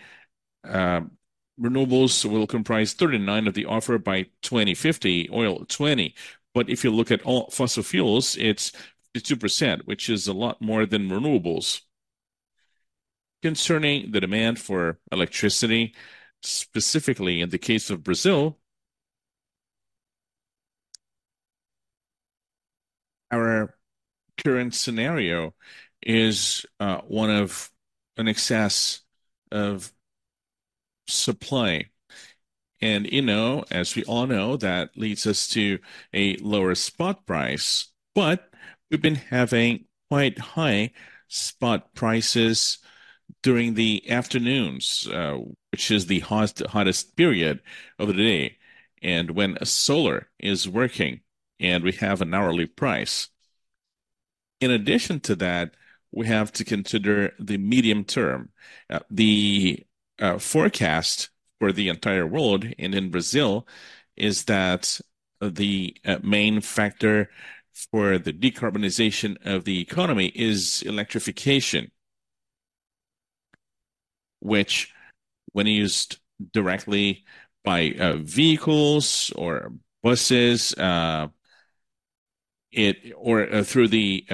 renewables will comprise 39% of the offer by 2050, oil, 20. But if you look at all fossil fuels, it's 52%, which is a lot more than renewables. Concerning the demand for electricity, specifically in the case of Brazil, our current scenario is one of an excess of supply. And, you know, as we all know, that leads us to a lower spot price, but we've been having quite high spot prices during the afternoons, which is the hot, hottest period of the day, and when solar is working, and we have an hourly price. In addition to that, we have to consider the medium term. The forecast for the entire world and in Brazil is that the main factor for the decarbonization of the economy is electrification, which when used directly by vehicles or buses, through the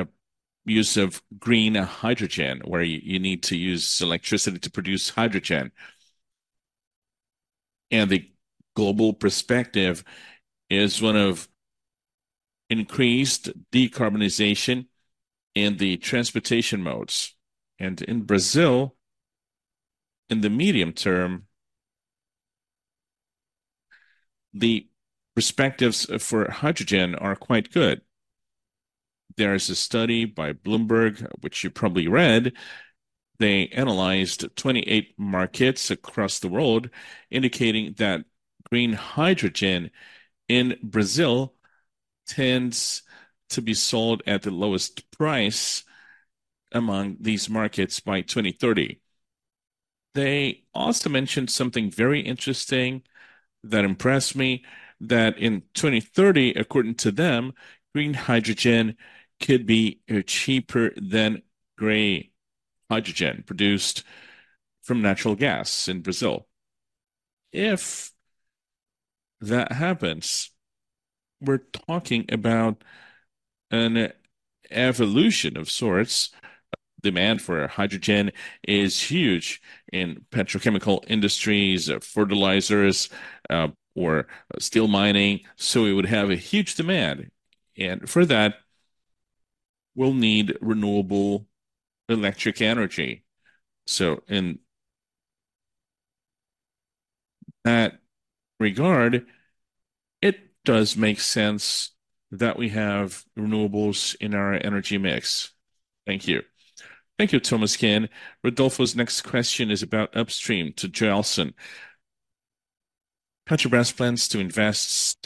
use of green hydrogen, where you need to use electricity to produce hydrogen. The global perspective is one of increased decarbonization in the transportation modes. In Brazil, in the medium term, the perspectives for hydrogen are quite good. There is a study by Bloomberg, which you probably read. They analyzed 28 markets across the world, indicating that green hydrogen in Brazil tends to be sold at the lowest price among these markets by 2030. They also mentioned something very interesting that impressed me, that in 2030, according to them, green hydrogen could be cheaper than gray hydrogen produced from natural gas in Brazil. If that happens, we're talking about an evolution of sorts. Demand for hydrogen is huge in petrochemical industries, fertilizers, or steel mining, so we would have a huge demand, and for that, we'll need renewable electric energy. So in that regard, it does make sense that we have renewables in our energy mix. Thank you. Thank you, Tolmasquim. Rodolfo's next question is about upstream to Joelson. Petrobras plans to invest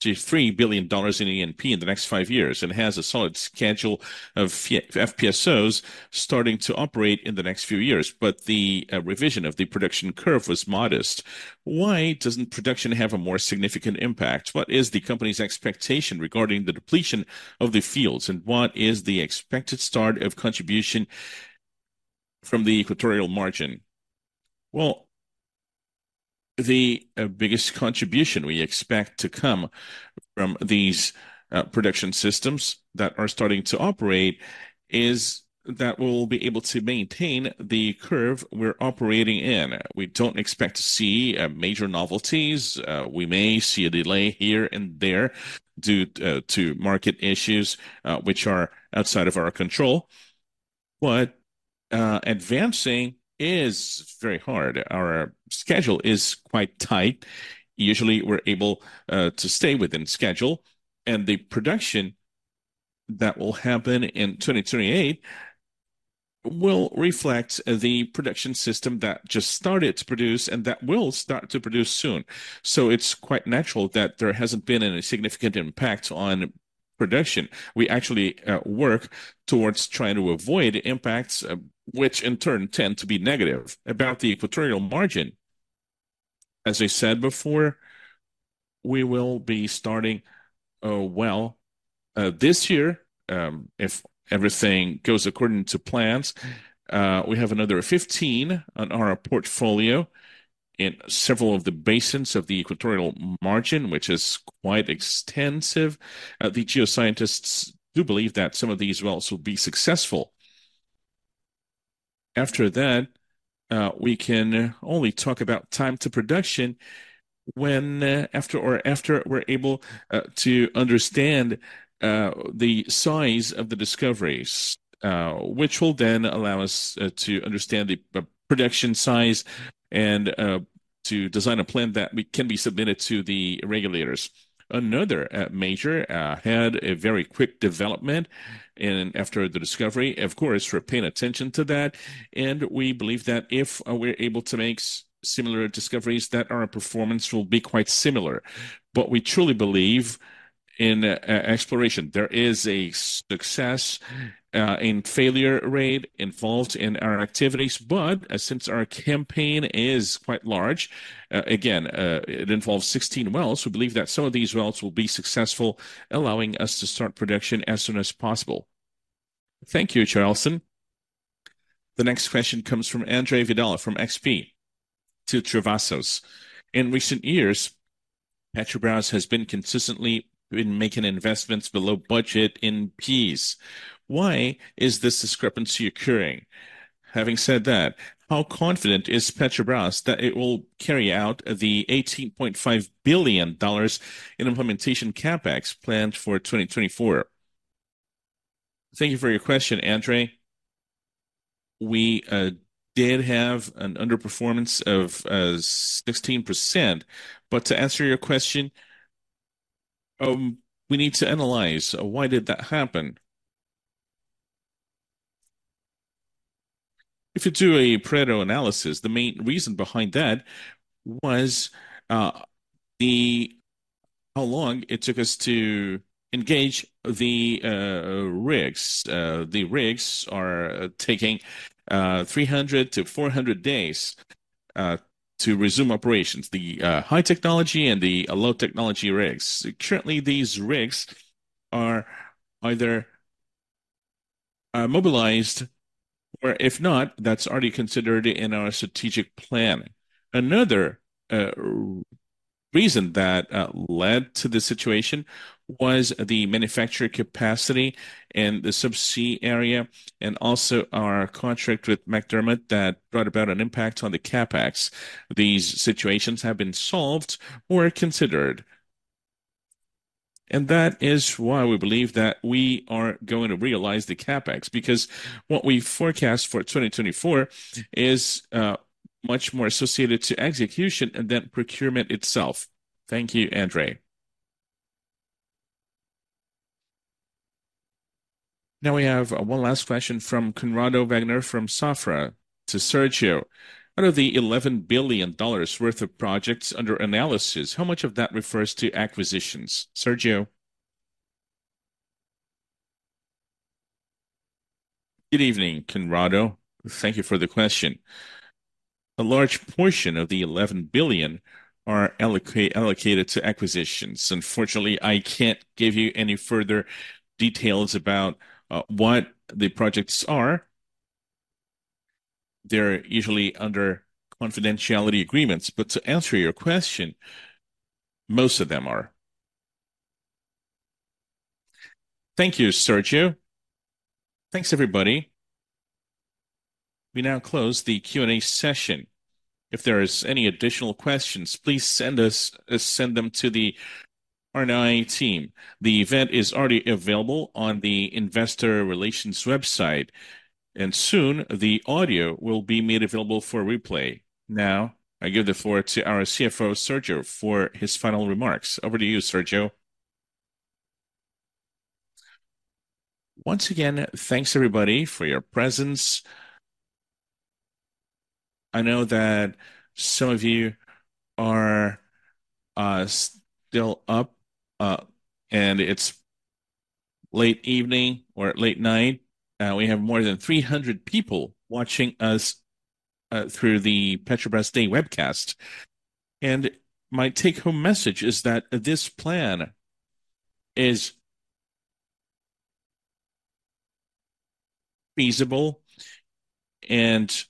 $73 billion in E&P in the next five years and has a solid schedule of FPSOs starting to operate in the next few years, but the revision of the production curve was modest. Why doesn't production have a more significant impact? What is the company's expectation regarding the depletion of the fields, and what is the expected start of contribution from the Equatorial Margin. Well, the biggest contribution we expect to come from these production systems that are starting to operate, is that we'll be able to maintain the curve we're operating in. We don't expect to see major novelties. We may see a delay here and there due to market issues, which are outside of our control, but advancing is very hard. Our schedule is quite tight. Usually, we're able to stay within schedule, and the production that will happen in 2028 will reflect the production system that just started to produce and that will start to produce soon. So it's quite natural that there hasn't been any significant impact on production. We actually work towards trying to avoid impacts, which in turn tend to be negative. About the Equatorial Margin, as I said before, we will be starting, well, this year, if everything goes according to plans. We have another 15 on our portfolio in several of the basins of the Equatorial Margin, which is quite extensive. The geoscientists do believe that some of these wells will be successful. After that, we can only talk about time to production when, after we're able, to understand the size of the discoveries, which will then allow us, to understand the production size and, to design a plan that we can be submitted to the regulators. Another, major, had a very quick development, and after the discovery, of course, we're paying attention to that, and we believe that if we're able to make similar discoveries, that our performance will be quite similar. But we truly believe in exploration. There is a success in failure rate involved in our activities, but since our campaign is quite large, again, it involves 16 wells, we believe that some of these wells will be successful, allowing us to start production as soon as possible. Thank you, Joelson. The next question comes from Andre Videla, from XP, to Travassos: In recent years, Petrobras has been consistently making investments below budget in Ps. Why is this discrepancy occurring? Having said that, how confident is Petrobras that it will carry out the $18.5 billion in implementation CapEx planned for 2024? Thank you for your question, Andre. We did have an underperformance of 16%. But to answer your question, we need to analyze why did that happen? If you do a Pareto analysis, the main reason behind that was the how long it took us to engage the rigs. The rigs are taking 300-400 days to resume operations, the high technology and the low technology rigs. Currently, these rigs are either mobilized, or if not, that's already considered in our strategic plan. Another reason that led to this situation was the manufacturer capacity and the subsea area, and also our contract with McDermott that brought about an impact on the CapEx. These situations have been solved or considered, and that is why we believe that we are going to realize the CapEx, because what we forecast for 2024 is much more associated to execution than procurement itself. Thank you, Andre. Now, we have one last question from Conrado Wagner, from Safra, to Sérgio: Out of the $11 billion worth of projects under analysis, how much of that refers to acquisitions? Sérgio? Good evening, Conrado. Thank you for the question. A large portion of the $11 billion are allocated to acquisitions. Unfortunately, I can't give you any further details about what the projects are. They're usually under confidentiality agreements, but to answer your question, most of them are. Thank you, Sérgio. Thanks, everybody. We now close the Q&A session. If there is any additional questions, please send us, send them to the IR team. The event is already available on the investor relations website, and soon, the audio will be made available for replay. Now, I give the floor to our CFO, Sérgio, for his final remarks. Over to you, Sérgio. Once again, thanks, everybody, for your presence. I know that some of you are still up, and it's late evening or late night. We have more than 300 people watching us through the Petrobras Day webcast. And my take-home message is that this plan is feasible and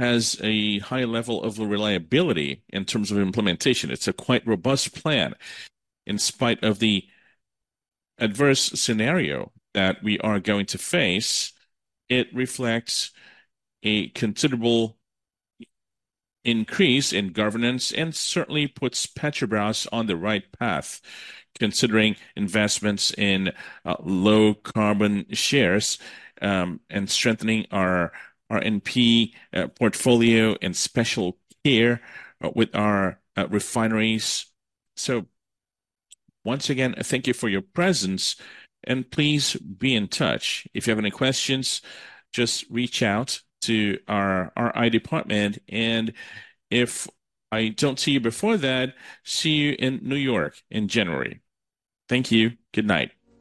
has a high level of reliability in terms of implementation. It's a quite robust plan. In spite of the adverse scenario that we are going to face, it reflects a considerable increase in governance and certainly puts Petrobras on the right path, considering investments in low carbon shares, and strengthening our E&P portfolio and special care with our refineries. So once again, thank you for your presence, and please be in touch. If you have any questions, just reach out to our RI department, and if I don't see you before that, see you in New York in January. Thank you. Good night.